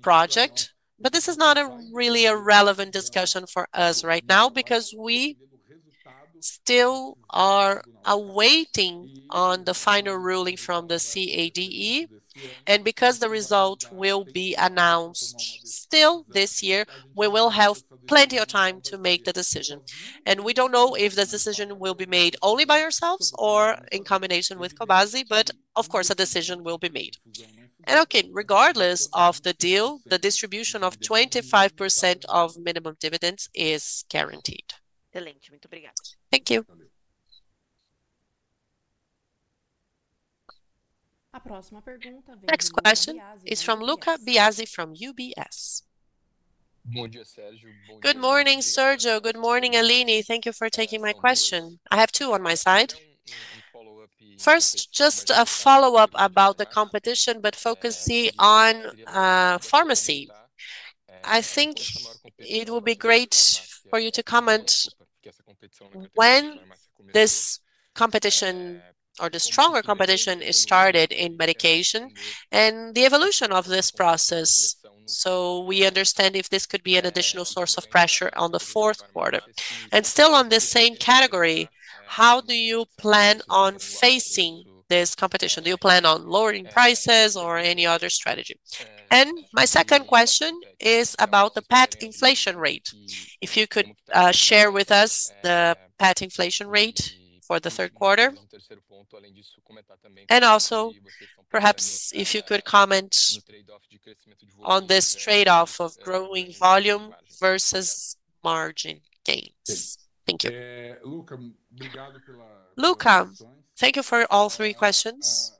project. This is not really a relevant discussion for us right now because we still are awaiting the final ruling from the CADE. Because the result will be announced still this year, we will have plenty of time to make the decision. We do not know if the decision will be made only by ourselves or in combination with Cobasi, but of course, a decision will be made. Again, regardless of the deal, the distribution of 25% of minimum dividends is guaranteed. The next question is from Luca Biazi from UBS. Good morning, Sergio. Good morning, Aline. Thank you for taking my question. I have two on my side. First, just a follow-up about the competition, but focusing on pharmacy. I think it will be great for you to comment when this competition or the stronger competition started in medication and the evolution of this process. We want to understand if this could be an additional source of pressure on the fourth quarter. Still on the same category, how do you plan on facing this competition? Do you plan on lowering prices or any other strategy? My second question is about the pet inflation rate. If you could share with us the pet inflation rate for the third quarter. Also, perhaps if you could comment on this trade-off of growing volume versus margin gains. Thank you. Luca, thank you for all three questions.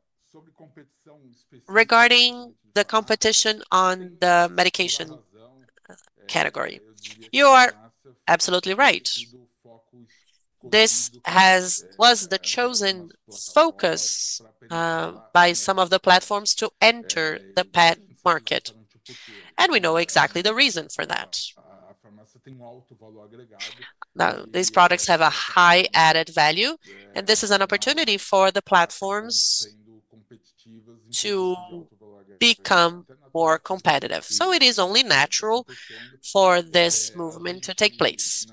Regarding the competition on the medication category, you are absolutely right. This was the chosen focus by some of the platforms to enter the pet market, and we know exactly the reason for that. These products have a high added value, and this is an opportunity for the platforms to become more competitive. It is only natural for this movement to take place.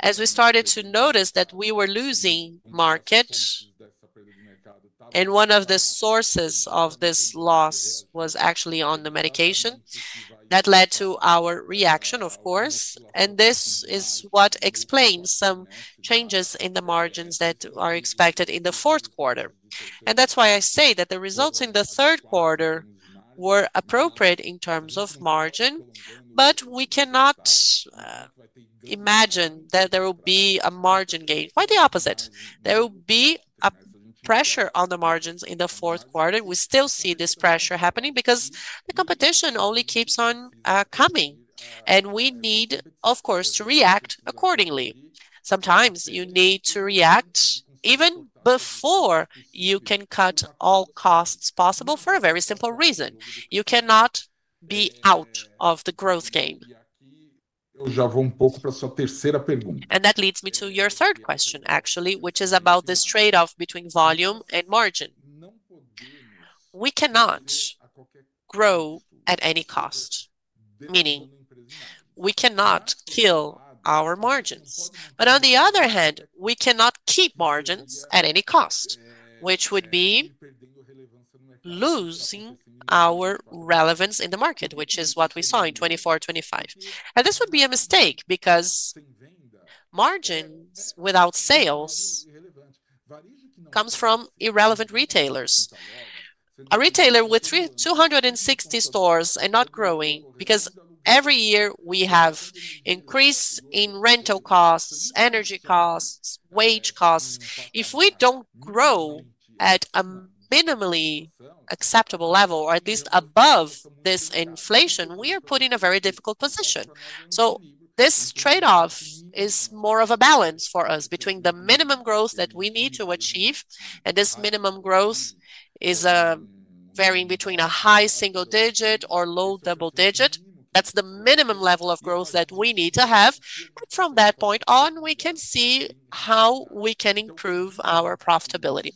As we started to notice that we were losing market, and one of the sources of this loss was actually on the medication, that led to our reaction, of course. This is what explains some changes in the margins that are expected in the fourth quarter. That is why I say that the results in the third quarter were appropriate in terms of margin, but we cannot imagine that there will be a margin gain. Quite the opposite. There will be a pressure on the margins in the fourth quarter. We still see this pressure happening because the competition only keeps on coming. We need, of course, to react accordingly. Sometimes you need to react even before you can cut all costs possible for a very simple reason. You cannot be out of the growth game. That leads me to your third question, actually, which is about this trade-off between volume and margin. We cannot grow at any cost. Meaning we cannot kill our margins. On the other hand, we cannot keep margins at any cost, which would be losing our relevance in the market, which is what we saw in 2024-2025. This would be a mistake because margins without sales come from irrelevant retailers. A retailer with 260 stores and not growing because every year we have increased rental costs, energy costs, wage costs. If we do not grow at a minimally acceptable level or at least above this inflation, we are put in a very difficult position. This trade-off is more of a balance for us between the minimum growth that we need to achieve. This minimum growth is varying between a high single digit or low double digit. That is the minimum level of growth that we need to have. From that point on, we can see how we can improve our profitability.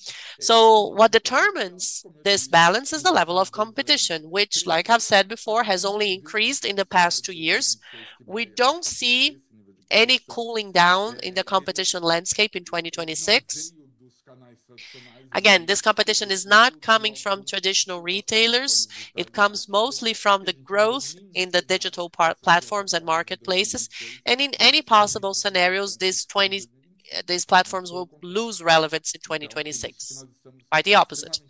What determines this balance is the level of competition, which, like I've said before, has only increased in the past two years. We do not see any cooling down in the competition landscape in 2026. This competition is not coming from traditional retailers. It comes mostly from the growth in the digital platforms and marketplaces. In any possible scenarios, these platforms will not lose relevance in 2026. Quite the opposite.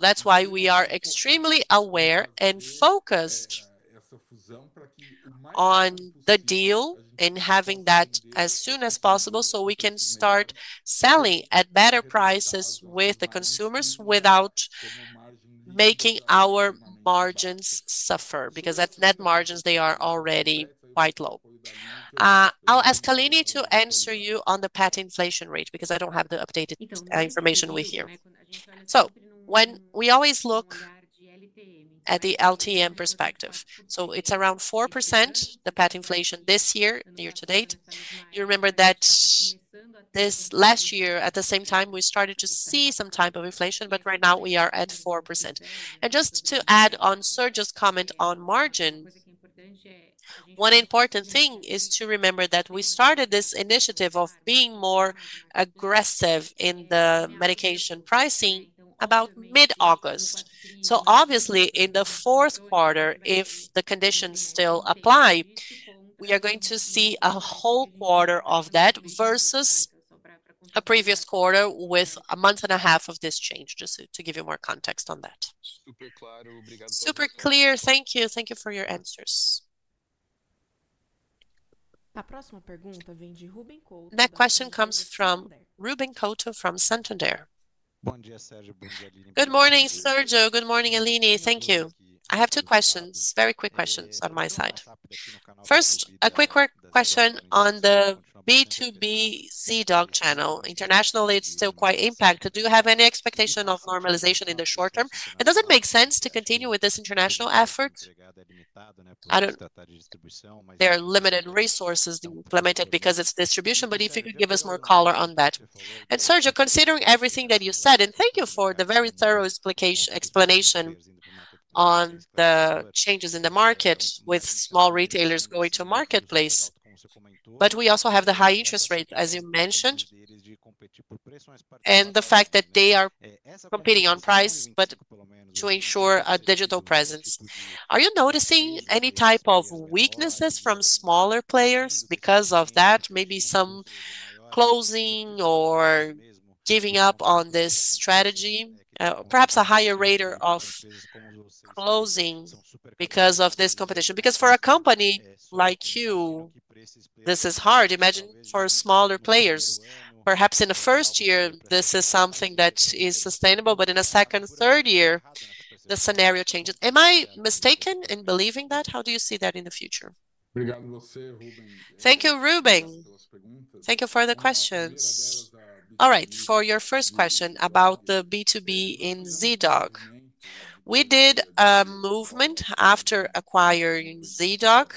That is why we are extremely aware and focused on the deal and having that as soon as possible so we can start selling at better prices with the consumers without making our margins suffer because at net margins, they are already quite low. I'll ask Aline to answer you on the pet inflation rate because I do not have the updated information with you. When we always look. At the LTM perspective, so it's around 4%, the pet inflation this year, year-to-date. You remember that. This last year, at the same time, we started to see some type of inflation, but right now we are at 4%. Just to add on Sergio's comment on margin. One important thing is to remember that we started this initiative of being more aggressive in the medication pricing about mid-August. Obviously, in the fourth quarter, if the conditions still apply, we are going to see a whole quarter of that versus a previous quarter with a month and a half of this change. Just to give you more context on that. Super clear. Thank you. Thank you for your answers. That question comes from Ruben Couto from Santander. Good morning, Sergio. Good morning, Aline. Thank you. I have two questions, very quick questions on my side. First, a quick question on the B2B Z-Dog channel. Internationally, it's still quite impacted. Do you have any expectation of normalization in the short term? It doesn't make sense to continue with this international effort. There are limited resources to implement it because it's distribution. If you could give us more color on that. Sergio, considering everything that you said, and thank you for the very thorough explanation. On the changes in the market with small retailers going to marketplace, we also have the high interest rates, as you mentioned. The fact that they are competing on price, but to ensure a digital presence. Are you noticing any type of weaknesses from smaller players because of that? Maybe some closing or giving up on this strategy, perhaps a higher rate of closing because of this competition. For a company like you, this is hard. Imagine for smaller players, perhaps in the first year, this is something that is sustainable, but in the second, third year, the scenario changes. Am I mistaken in believing that? How do you see that in the future? Thank you, Ruben. Thank you for the questions. All right, for your first question about the B2B in Z-Dog. We did a movement after acquiring Z-Dog,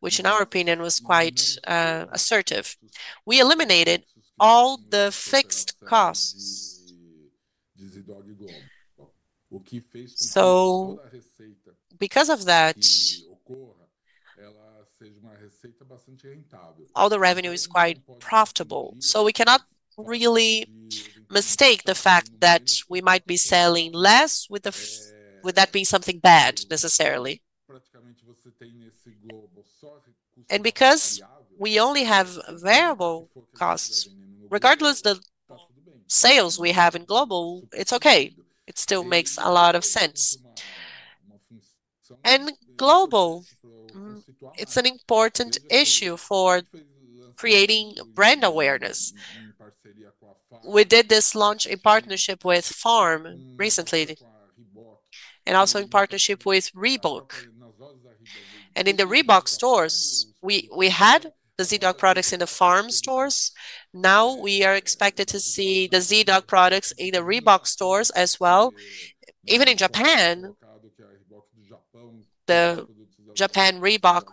which in our opinion was quite assertive. We eliminated all the fixed costs. Because of that, all the revenue is quite profitable. So we cannot really mistake the fact that we might be selling less with that being something bad necessarily. Because we only have variable costs, regardless of the sales we have in global, it is okay. It still makes a lot of sense. Global is an important issue for creating brand awareness. We did this launch in partnership with Farm recently. Also in partnership with Reebok. In the Reebok stores, we had the Z-Dog products in the Farm stores. Now we are expected to see the Z-Dog products in the Reebok stores as well, even in Japan. The Japan Reebok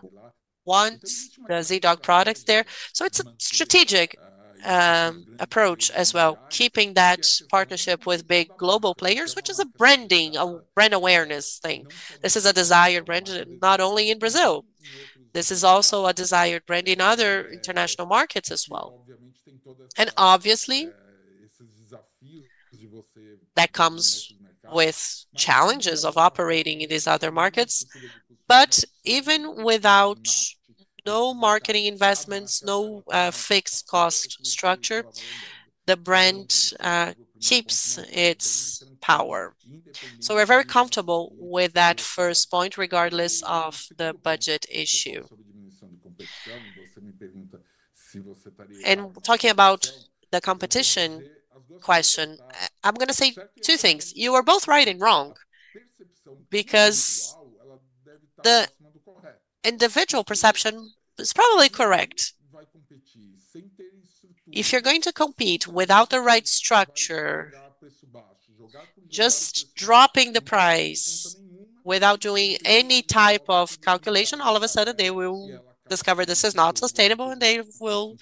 wants the Z-Dog products there. It is a strategic approach as well, keeping that partnership with big global players, which is a branding, a brand awareness thing. This is a desired brand, not only in Brazil. This is also a desired brand in other international markets as well. Obviously, that comes with challenges of operating in these other markets. Even without marketing investments, no fixed cost structure, the brand keeps its power. We are very comfortable with that first point, regardless of the budget issue. Talking about the competition question, I am going to say two things. You are both right and wrong. Because. The individual perception is probably correct. If you're going to compete without the right structure, just dropping the price without doing any type of calculation, all of a sudden they will discover this is not sustainable and they will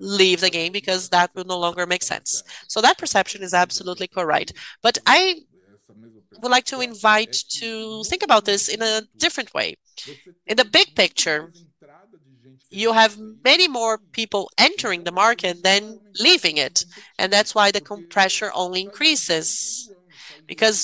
leave the game because that will no longer make sense. That perception is absolutely correct. I would like to invite you to think about this in a different way. In the big picture, you have many more people entering the market than leaving it. That is why the pressure only increases.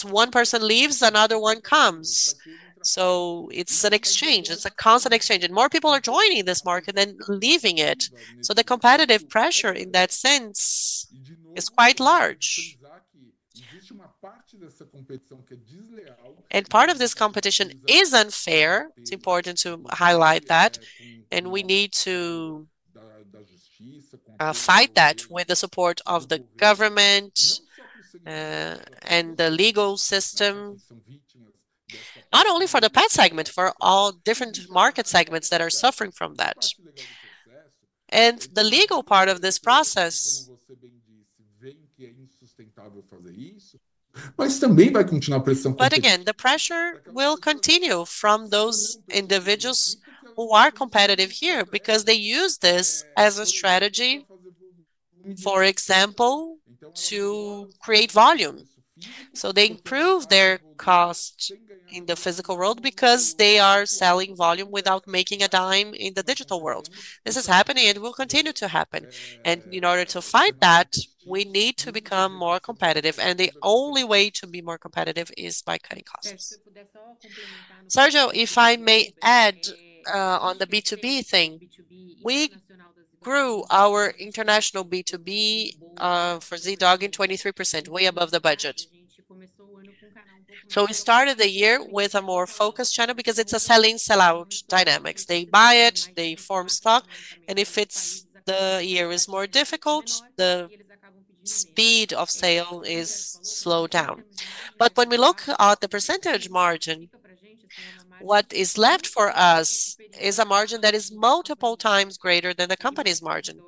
One person leaves, another one comes. It is an exchange. It is a constant exchange. More people are joining this market than leaving it. The competitive pressure in that sense is quite large. Part of this competition is unfair. It is important to highlight that. We need to. Fight that with the support of the government and the legal system. Not only for the pet segment, for all different market segments that are suffering from that, and the legal part of this process. The pressure will continue from those individuals who are competitive here because they use this as a strategy, for example, to create volume. They improve their costs in the physical world because they are selling volume without making a dime in the digital world. This is happening and will continue to happen. In order to fight that, we need to become more competitive. The only way to be more competitive is by cutting costs. Sergio, if I may add on the B2B thing, we grew our international B2B for Z-Dog in 23%, way above the budget. We started the year with a more focused channel because it's a sell-in, sell-out dynamic. They buy it, they form stock, and if the year is more difficult, the speed of sale is slowed down. When we look at the percentage margin, what is left for us is a margin that is multiple times greater than the company's margin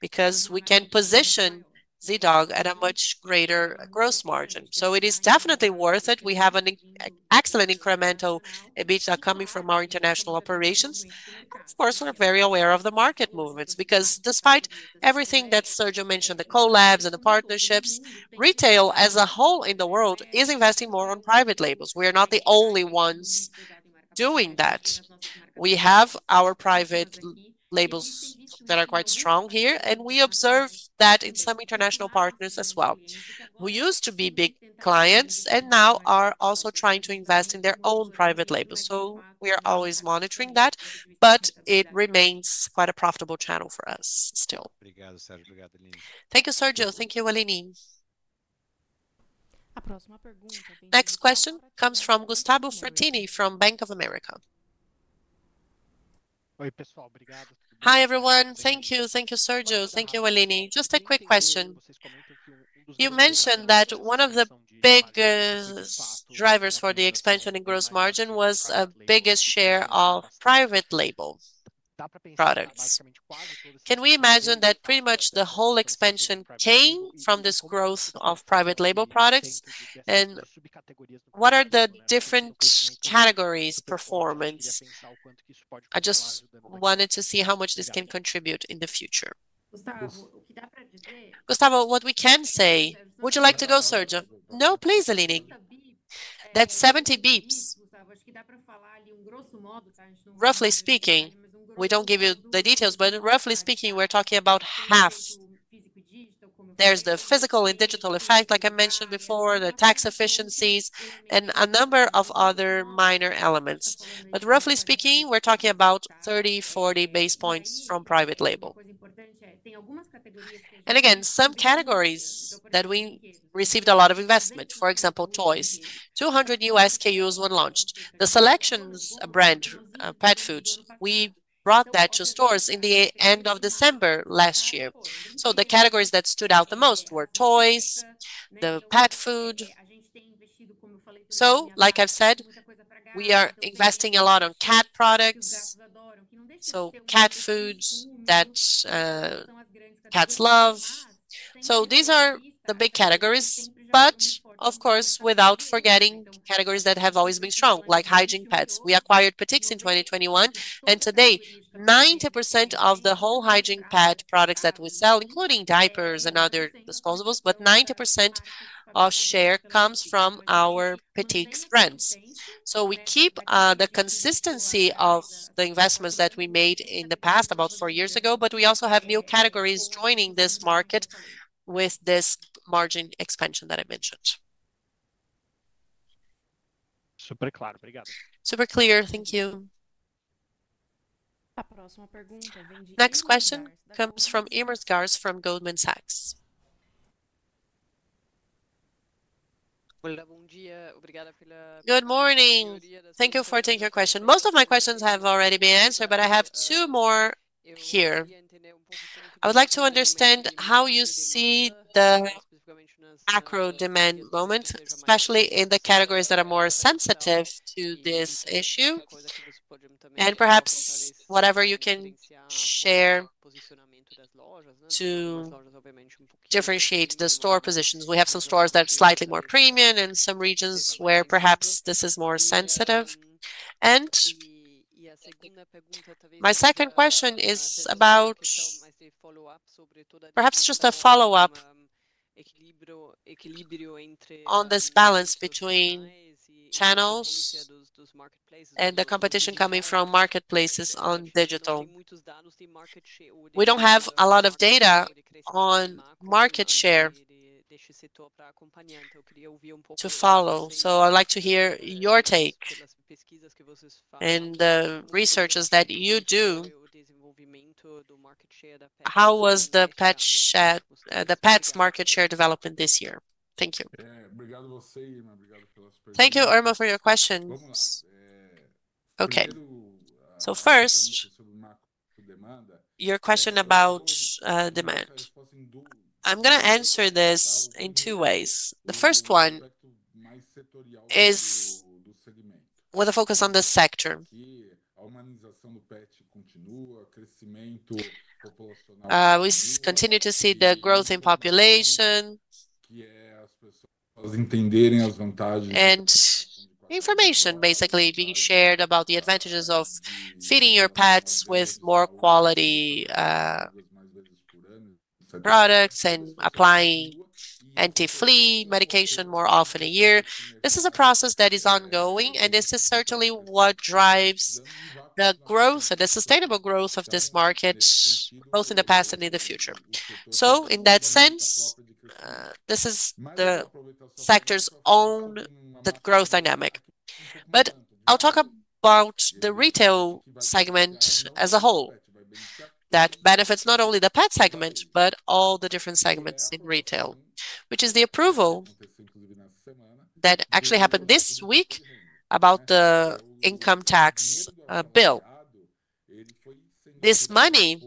because we can position Z-Dog at a much greater gross margin. It is definitely worth it. We have an excellent incremental EBITDA coming from our international operations. Of course, we're very aware of the market movements because despite everything that Sergio mentioned, the collabs and the partnerships, retail as a whole in the world is investing more on private labels. We are not the only ones doing that. We have our private labels that are quite strong here, and we observe that in some international partners as well. We used to be big clients and now are also trying to invest in their own private labels. We are always monitoring that, but it remains quite a profitable channel for us still. Thank you, Sergio. Thank you, Aline. Next question comes from Gustavo Fratini from Bank of America. Hi, everyone. Thank you. Thank you, Sergio. Thank you, Aline. Just a quick question. You mentioned that one of the biggest drivers for the expansion in gross margin was a bigger share of private label products. Can we imagine that pretty much the whole expansion came from this growth of private label products? What are the different categories' performance? I just wanted to see how much this can contribute in the future. Gustavo, what we can say. Would you like to go, Sergio? No, please, Aline. That is 70 basis points. Roughly speaking, we do not give you the details, but roughly speaking, we are talking about half. There is the physical and digital effect, like I mentioned before, the tax efficiencies, and a number of other minor elements. But roughly speaking, we are talking about 30-40 basis points from private label. Again, some categories that we received a lot of investment, for example, toys, 200 US KUs were launched. The Selections brand, pet food, we brought that to stores in the end of December last year. The categories that stood out the most were toys, the pet food. Like I have said, we are investing a lot on cat products. Cat foods that cats love. These are the big categories, but of course, without forgetting categories that have always been strong, like hygiene pets. We acquired Petix in 2021, and today, 90% of the whole hygiene pet products that we sell, including diapers and other disposables, 90% of share comes from our Petix brands. We keep the consistency of the investments that we made in the past, about four years ago, but we also have new categories joining this market with this margin expansion that I mentioned. Super clear. Thank you. Next question comes from Emers Gars from Goldman Sachs. Good morning. Thank you for taking your question. Most of my questions have already been answered, but I have two more. I would like to understand how you see the macro demand moment, especially in the categories that are more sensitive to this issue. And perhaps whatever you can share to differentiate the store positions. We have some stores that are slightly more premium in some regions where perhaps this is more sensitive. My second question is about, perhaps just a follow-up on this balance between channels and the competition coming from marketplaces on digital. We do not have a lot of data on market share to follow, so I'd like to hear your take and the researches that you do. How was the Petz market share development this year? Thank you. Thank you, Irma, for your questions. Okay. First, your question about demand. I'm going to answer this in two ways. The first one is with a focus on the sector. We continue to see the growth in population and information basically being shared about the advantages of feeding your pets with more quality products and applying anti-flea medication more often a year. This is a process that is ongoing, and this is certainly what drives the growth, the sustainable growth of this market. Both in the past and in the future. In that sense, this is the sector's own growth dynamic. I'll talk about the retail segment as a whole. That benefits not only the pet segment, but all the different segments in retail, which is the approval that actually happened this week about the income tax bill. This money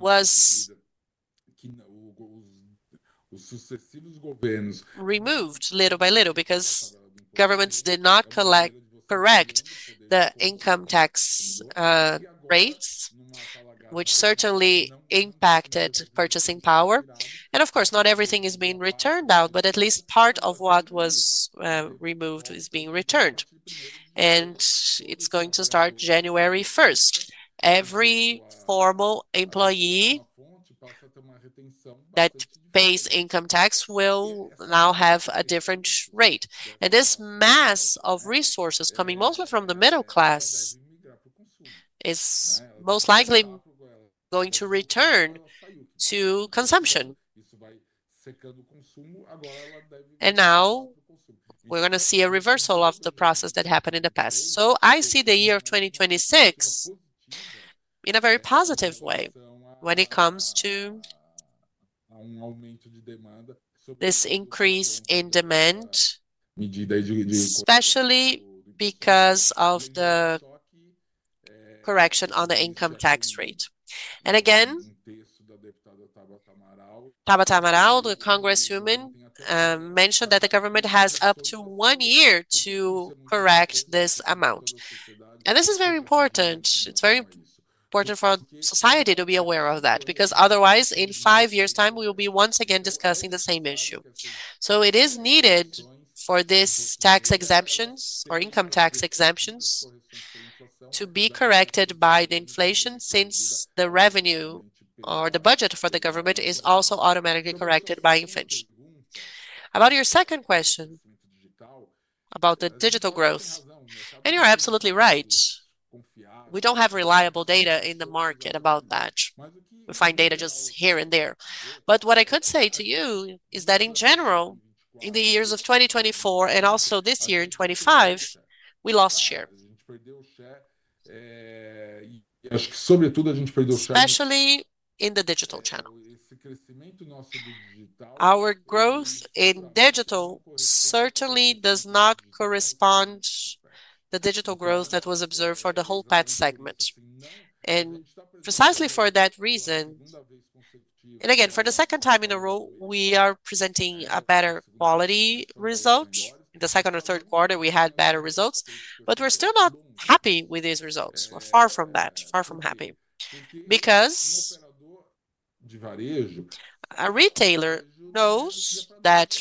was removed little by little because governments did not correct the income tax rates, which certainly impacted purchasing power. Of course, not everything is being returned, but at least part of what was removed is being returned. It's going to start January 1. Every formal employee that pays income tax will now have a different rate, and this mass of resources coming mostly from the middle class. Is most likely going to return to consumption. Now, we're going to see a reversal of the process that happened in the past. I see the year of 2026 in a very positive way when it comes to this increase in demand, especially because of the correction on the income tax rate. Again, the Congresswoman mentioned that the government has up to one year to correct this amount. This is very important. It's very important for society to be aware of that because otherwise, in five years' time, we will be once again discussing the same issue. It is needed for this tax exemptions or income tax exemptions to be corrected by the inflation since the revenue or the budget for the government is also automatically corrected by inflation. About your second question, about the digital growth, you're absolutely right. We do not have reliable data in the market about that. We find data just here and there. What I could say to you is that in general, in the years of 2024 and also this year in 2025, we lost share, especially in the digital channel. Our growth in digital certainly does not correspond to the digital growth that was observed for the whole pet segment. Precisely for that reason, and again, for the second time in a row, we are presenting a better quality result. In the second or third quarter, we had better results, but we are still not happy with these results. We are far from that, far from happy, because a retailer knows that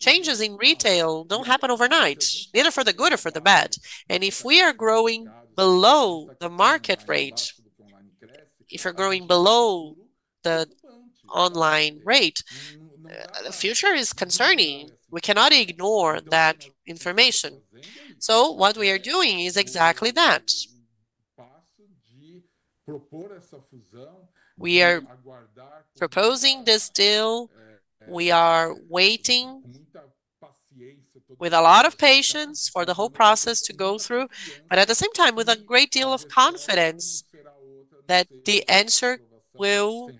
changes in retail do not happen overnight, neither for the good or for the bad. If we are growing below the market rate, if you are growing below the online rate. The future is concerning. We cannot ignore that information. What we are doing is exactly that. We are proposing this deal. We are waiting with a lot of patience for the whole process to go through, but at the same time, with a great deal of confidence that the answer will be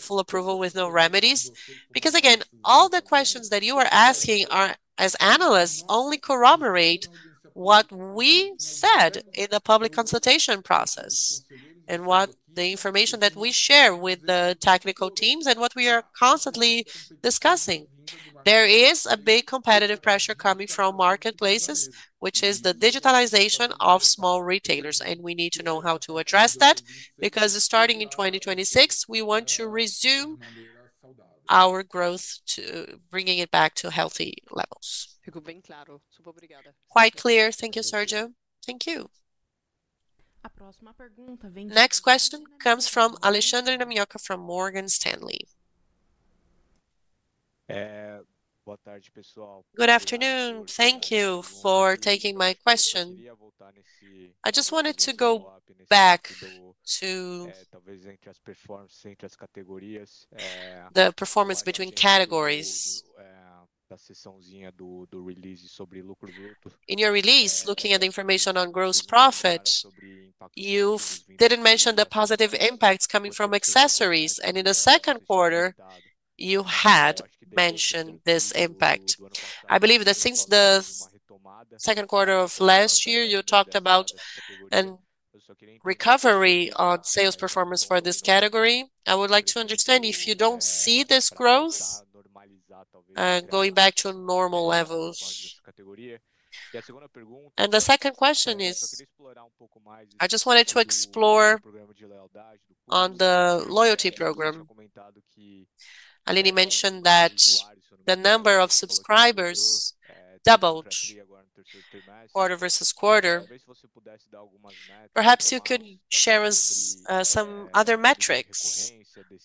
full approval with no remedies. Again, all the questions that you are asking as analysts only corroborate what we said in the public consultation process and what the information that we share with the technical teams and what we are constantly discussing. There is a big competitive pressure coming from marketplaces, which is the digitalization of small retailers. We need to know how to address that because starting in 2026, we want to resume our growth to bring it back to healthy levels. Quite clear. Thank you, Sergio. Thank you. Next question comes from Alexandre Namioca from Morgan Stanley. Boa tarde, pessoal. Good afternoon. Thank you for taking my question. I just wanted to go back to the performance between categories. Da sessãozinha do release sobre lucros. In your release, looking at the information on gross profit. You did not mention the positive impacts coming from accessories, and in the second quarter, you had mentioned this impact. I believe that since the second quarter of last year, you talked about recovery on sales performance for this category. I would like to understand if you do not see this growth going back to normal levels. The second question is, I just wanted to explore on the loyalty program. Aline mentioned that the number of subscribers doubled quarter versus quarter. Perhaps you could share us some other metrics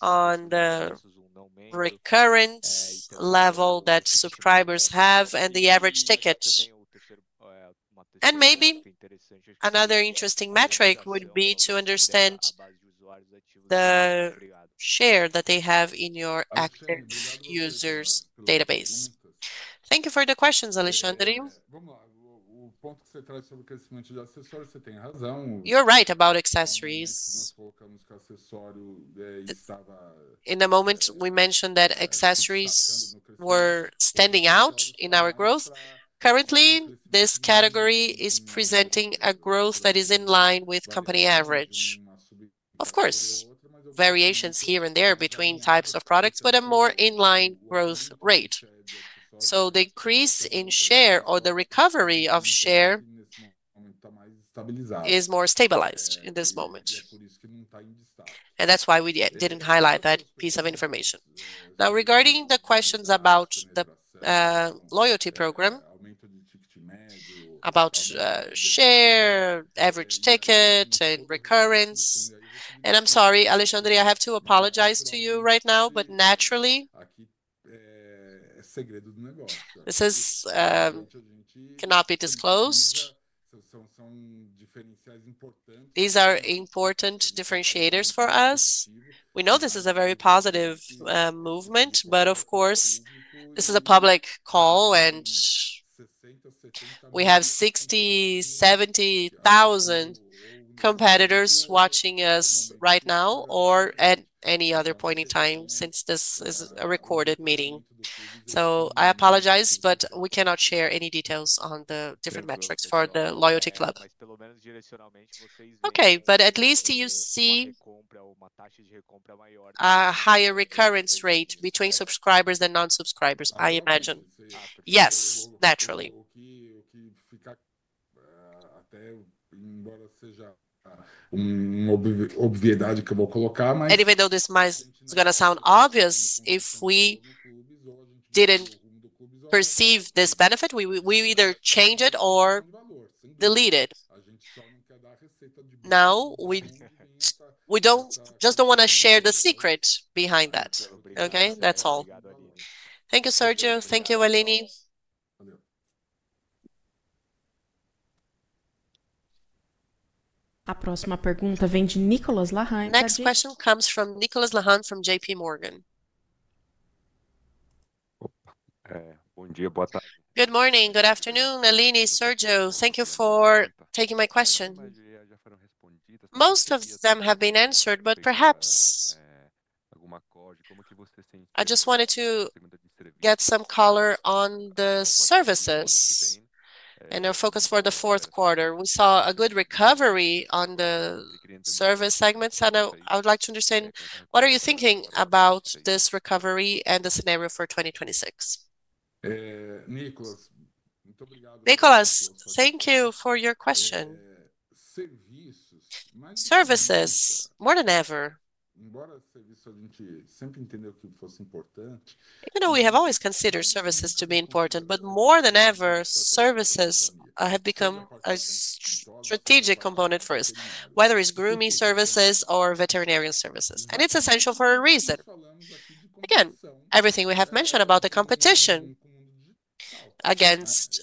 on the recurrent level that subscribers have and the average ticket. And maybe. Another interesting metric would be to understand the share that they have in your active users' database. Thank you for the questions, Alexandre. O ponto que você traz sobre o crescimento de acessórios, você tem razão. You're right about accessories. In the moment, we mentioned that accessories were standing out in our growth. Currently, this category is presenting a growth that is in line with company average. Of course, variations here and there between types of products, but a more in-line growth rate. The increase in share or the recovery of share is more stabilized in this moment. That is why we did not highlight that piece of information. Now, regarding the questions about the loyalty program, about share, average ticket, and recurrence. I'm sorry, Alexandre, I have to apologize to you right now, but naturally, isso cannot be disclosed. These are important differentiators for us. We know this is a very positive movement, but of course, this is a public call, and we have 60,000-70,000 competitors watching us right now or at any other point in time since this is a recorded meeting. I apologize, but we cannot share any details on the different metrics for the loyalty club. Okay, but at least you see a higher recurrence rate between subscribers and non-subscribers, I imagine. Yes, naturally. O que fica. Até. Embora seja. Uma obviedade que eu vou colocar, mas... Anybody know this is going to sound obvious if we did not perceive this benefit, we either change it or delete it. Não. We just do not want to share the secret behind that. Okay? That is all. Thank you, Sergio. Thank you, Aline. A próxima pergunta vem de Nicolas Lahan. Next question comes from Nicolas Lahan from JP Morgan. Bom dia, boa tarde. Good morning, good afternoon, Aline, Sergio, thank you for taking my question. Most of them have been answered, but perhaps. Como que você sente? I just wanted to get some color on the services and our focus for the fourth quarter. We saw a good recovery on the service segments, and I would like to understand what are you thinking about this recovery and the scenario for 2026? Nicolas, muito obrigado. Nicolas, thank you for your question. Services, more than ever. Embora serviço, a gente sempre entendeu que fosse importante. You know, we have always considered services to be important, but more than ever, services have become a strategic component for us, whether it's grooming services or veterinarian services. It is essential for a reason. Again, everything we have mentioned about the competition against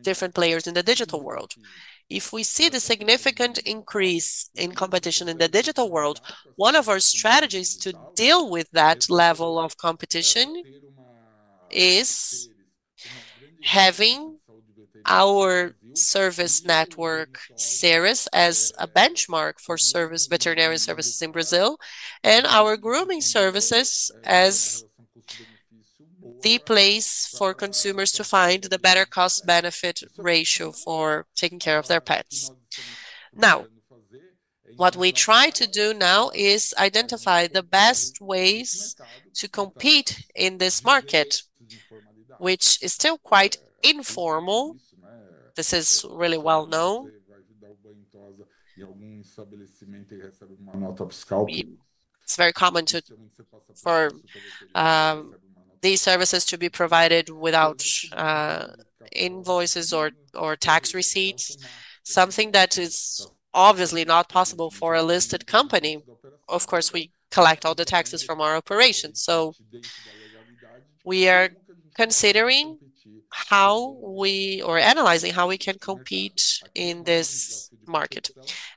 different players in the digital world. If we see the significant increase in competition in the digital world, one of our strategies to deal with that level of competition is having our service network, serious as a benchmark for veterinary services in Brazil, and our grooming services as the place for consumers to find the better cost-benefit ratio for taking care of their pets. Now, what we try to do now is identify the best ways to compete in this market, which is still quite informal. This is really well known. Em algum estabelecimento que recebe uma nota fiscal. It's very common for these services to be provided without invoices or tax receipts, something that is obviously not possible for a listed company. Of course, we collect all the taxes from our operations. We are considering how we or analyzing how we can compete in this market.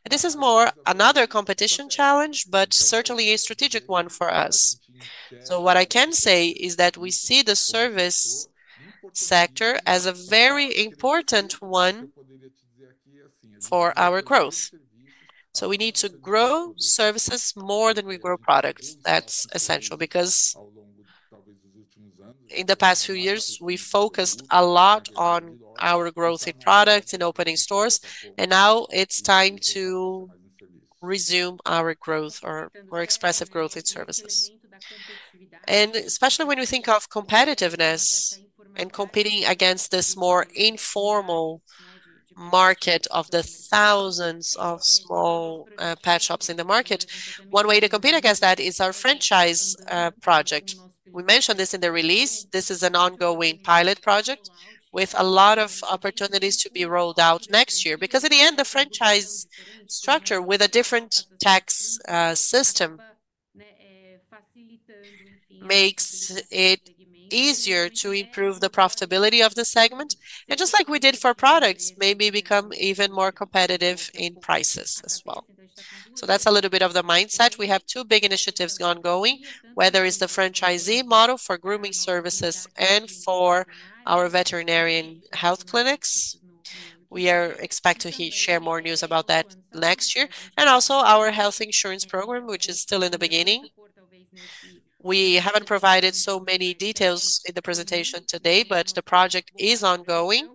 This is more another competition challenge, but certainly a strategic one for us. What I can say is that we see the service sector as a very important one for our growth. We need to grow services more than we grow products. That is essential because in the past few years, we focused a lot on our growth in products and opening stores, and now it is time to resume our growth or more expressive growth in services. Especially when you think of competitiveness and competing against this more informal market of the thousands of small pet shops in the market, one way to compete against that is our franchise project. We mentioned this in the release. This is an ongoing pilot project with a lot of opportunities to be rolled out next year because at the end, the franchise structure with a different tax system. Makes it easier to improve the profitability of the segment. Just like we did for products, maybe become even more competitive in prices as well. That is a little bit of the mindset. We have two big initiatives ongoing, whether it is the franchisee model for grooming services and for our veterinarian health clinics. We are expecting to share more news about that next year. Also, our health insurance program, which is still in the beginning. We have not provided so many details in the presentation today, but the project is ongoing.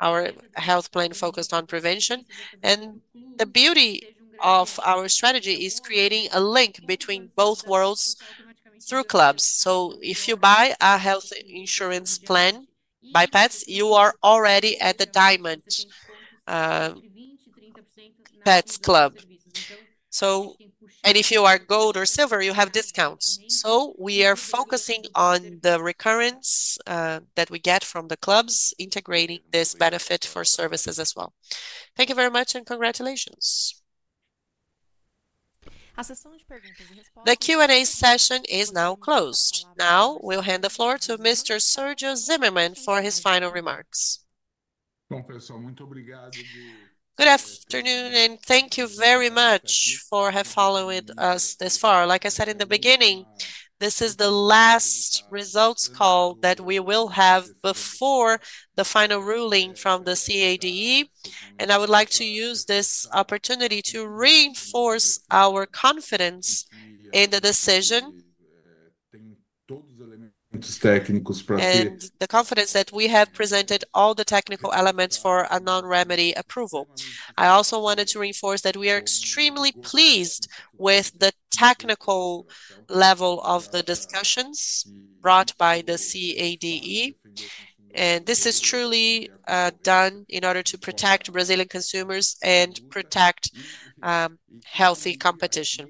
Our health plan is focused on prevention. The beauty of our strategy is creating a link between both worlds through Clubs. If you buy a health insurance plan by Petz, you are already at the diamond Petz Club. If you are gold or silver, you have discounts. We are focusing on the recurrence that we get from the Clubs, integrating this benefit for services as well. Thank you very much and congratulations. A sessão de perguntas e respostas. The Q&A session is now closed. Now we will hand the floor to Mr. Sergio Zimmerman for his final remarks. Bom, pessoal, muito obrigado. Good afternoon and thank you very much for having followed us this far. Like I said in the beginning, this is the last results call that we will have before the final ruling from the CADE. I would like to use this opportunity to reinforce our confidence in the decision. Tem todos os elementos técnicos para ser. The confidence that we have presented all the technical elements for a non-remedy approval. I also wanted to reinforce that we are extremely pleased with the technical level of the discussions brought by the CADE. This is truly done in order to protect Brazilian consumers and protect healthy competition.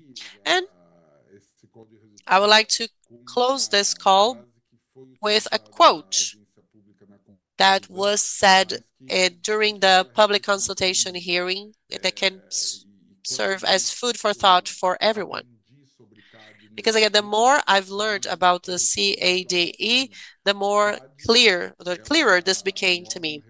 I would like to close this call with a quote that was said during the public consultation hearing that can serve as food for thought for everyone. Because again, the more I have learned about the CADE, the more clear this became to me.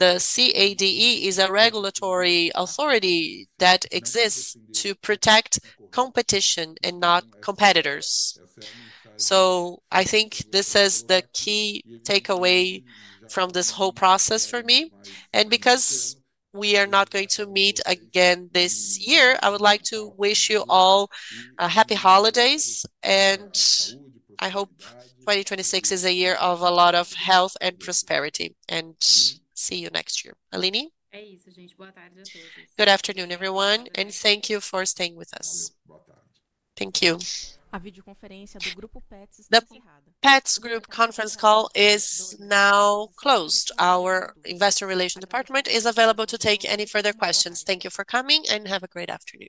The CADE is a regulatory authority that exists to protect competition and not competitors. I think this is the key takeaway from this whole process for me. Because we are not going to meet again this year, I would like to wish you all happy holidays. I hope 2026 is a year of a lot of health and prosperity. See you next year. Aline. É isso, gente. Boa tarde a todos. Good afternoon, everyone. Thank you for staying with us. Thank you. The Petz Group conference call is now closed. Our investor relations department is available to take any further questions. Thank you for coming and have a great afternoon.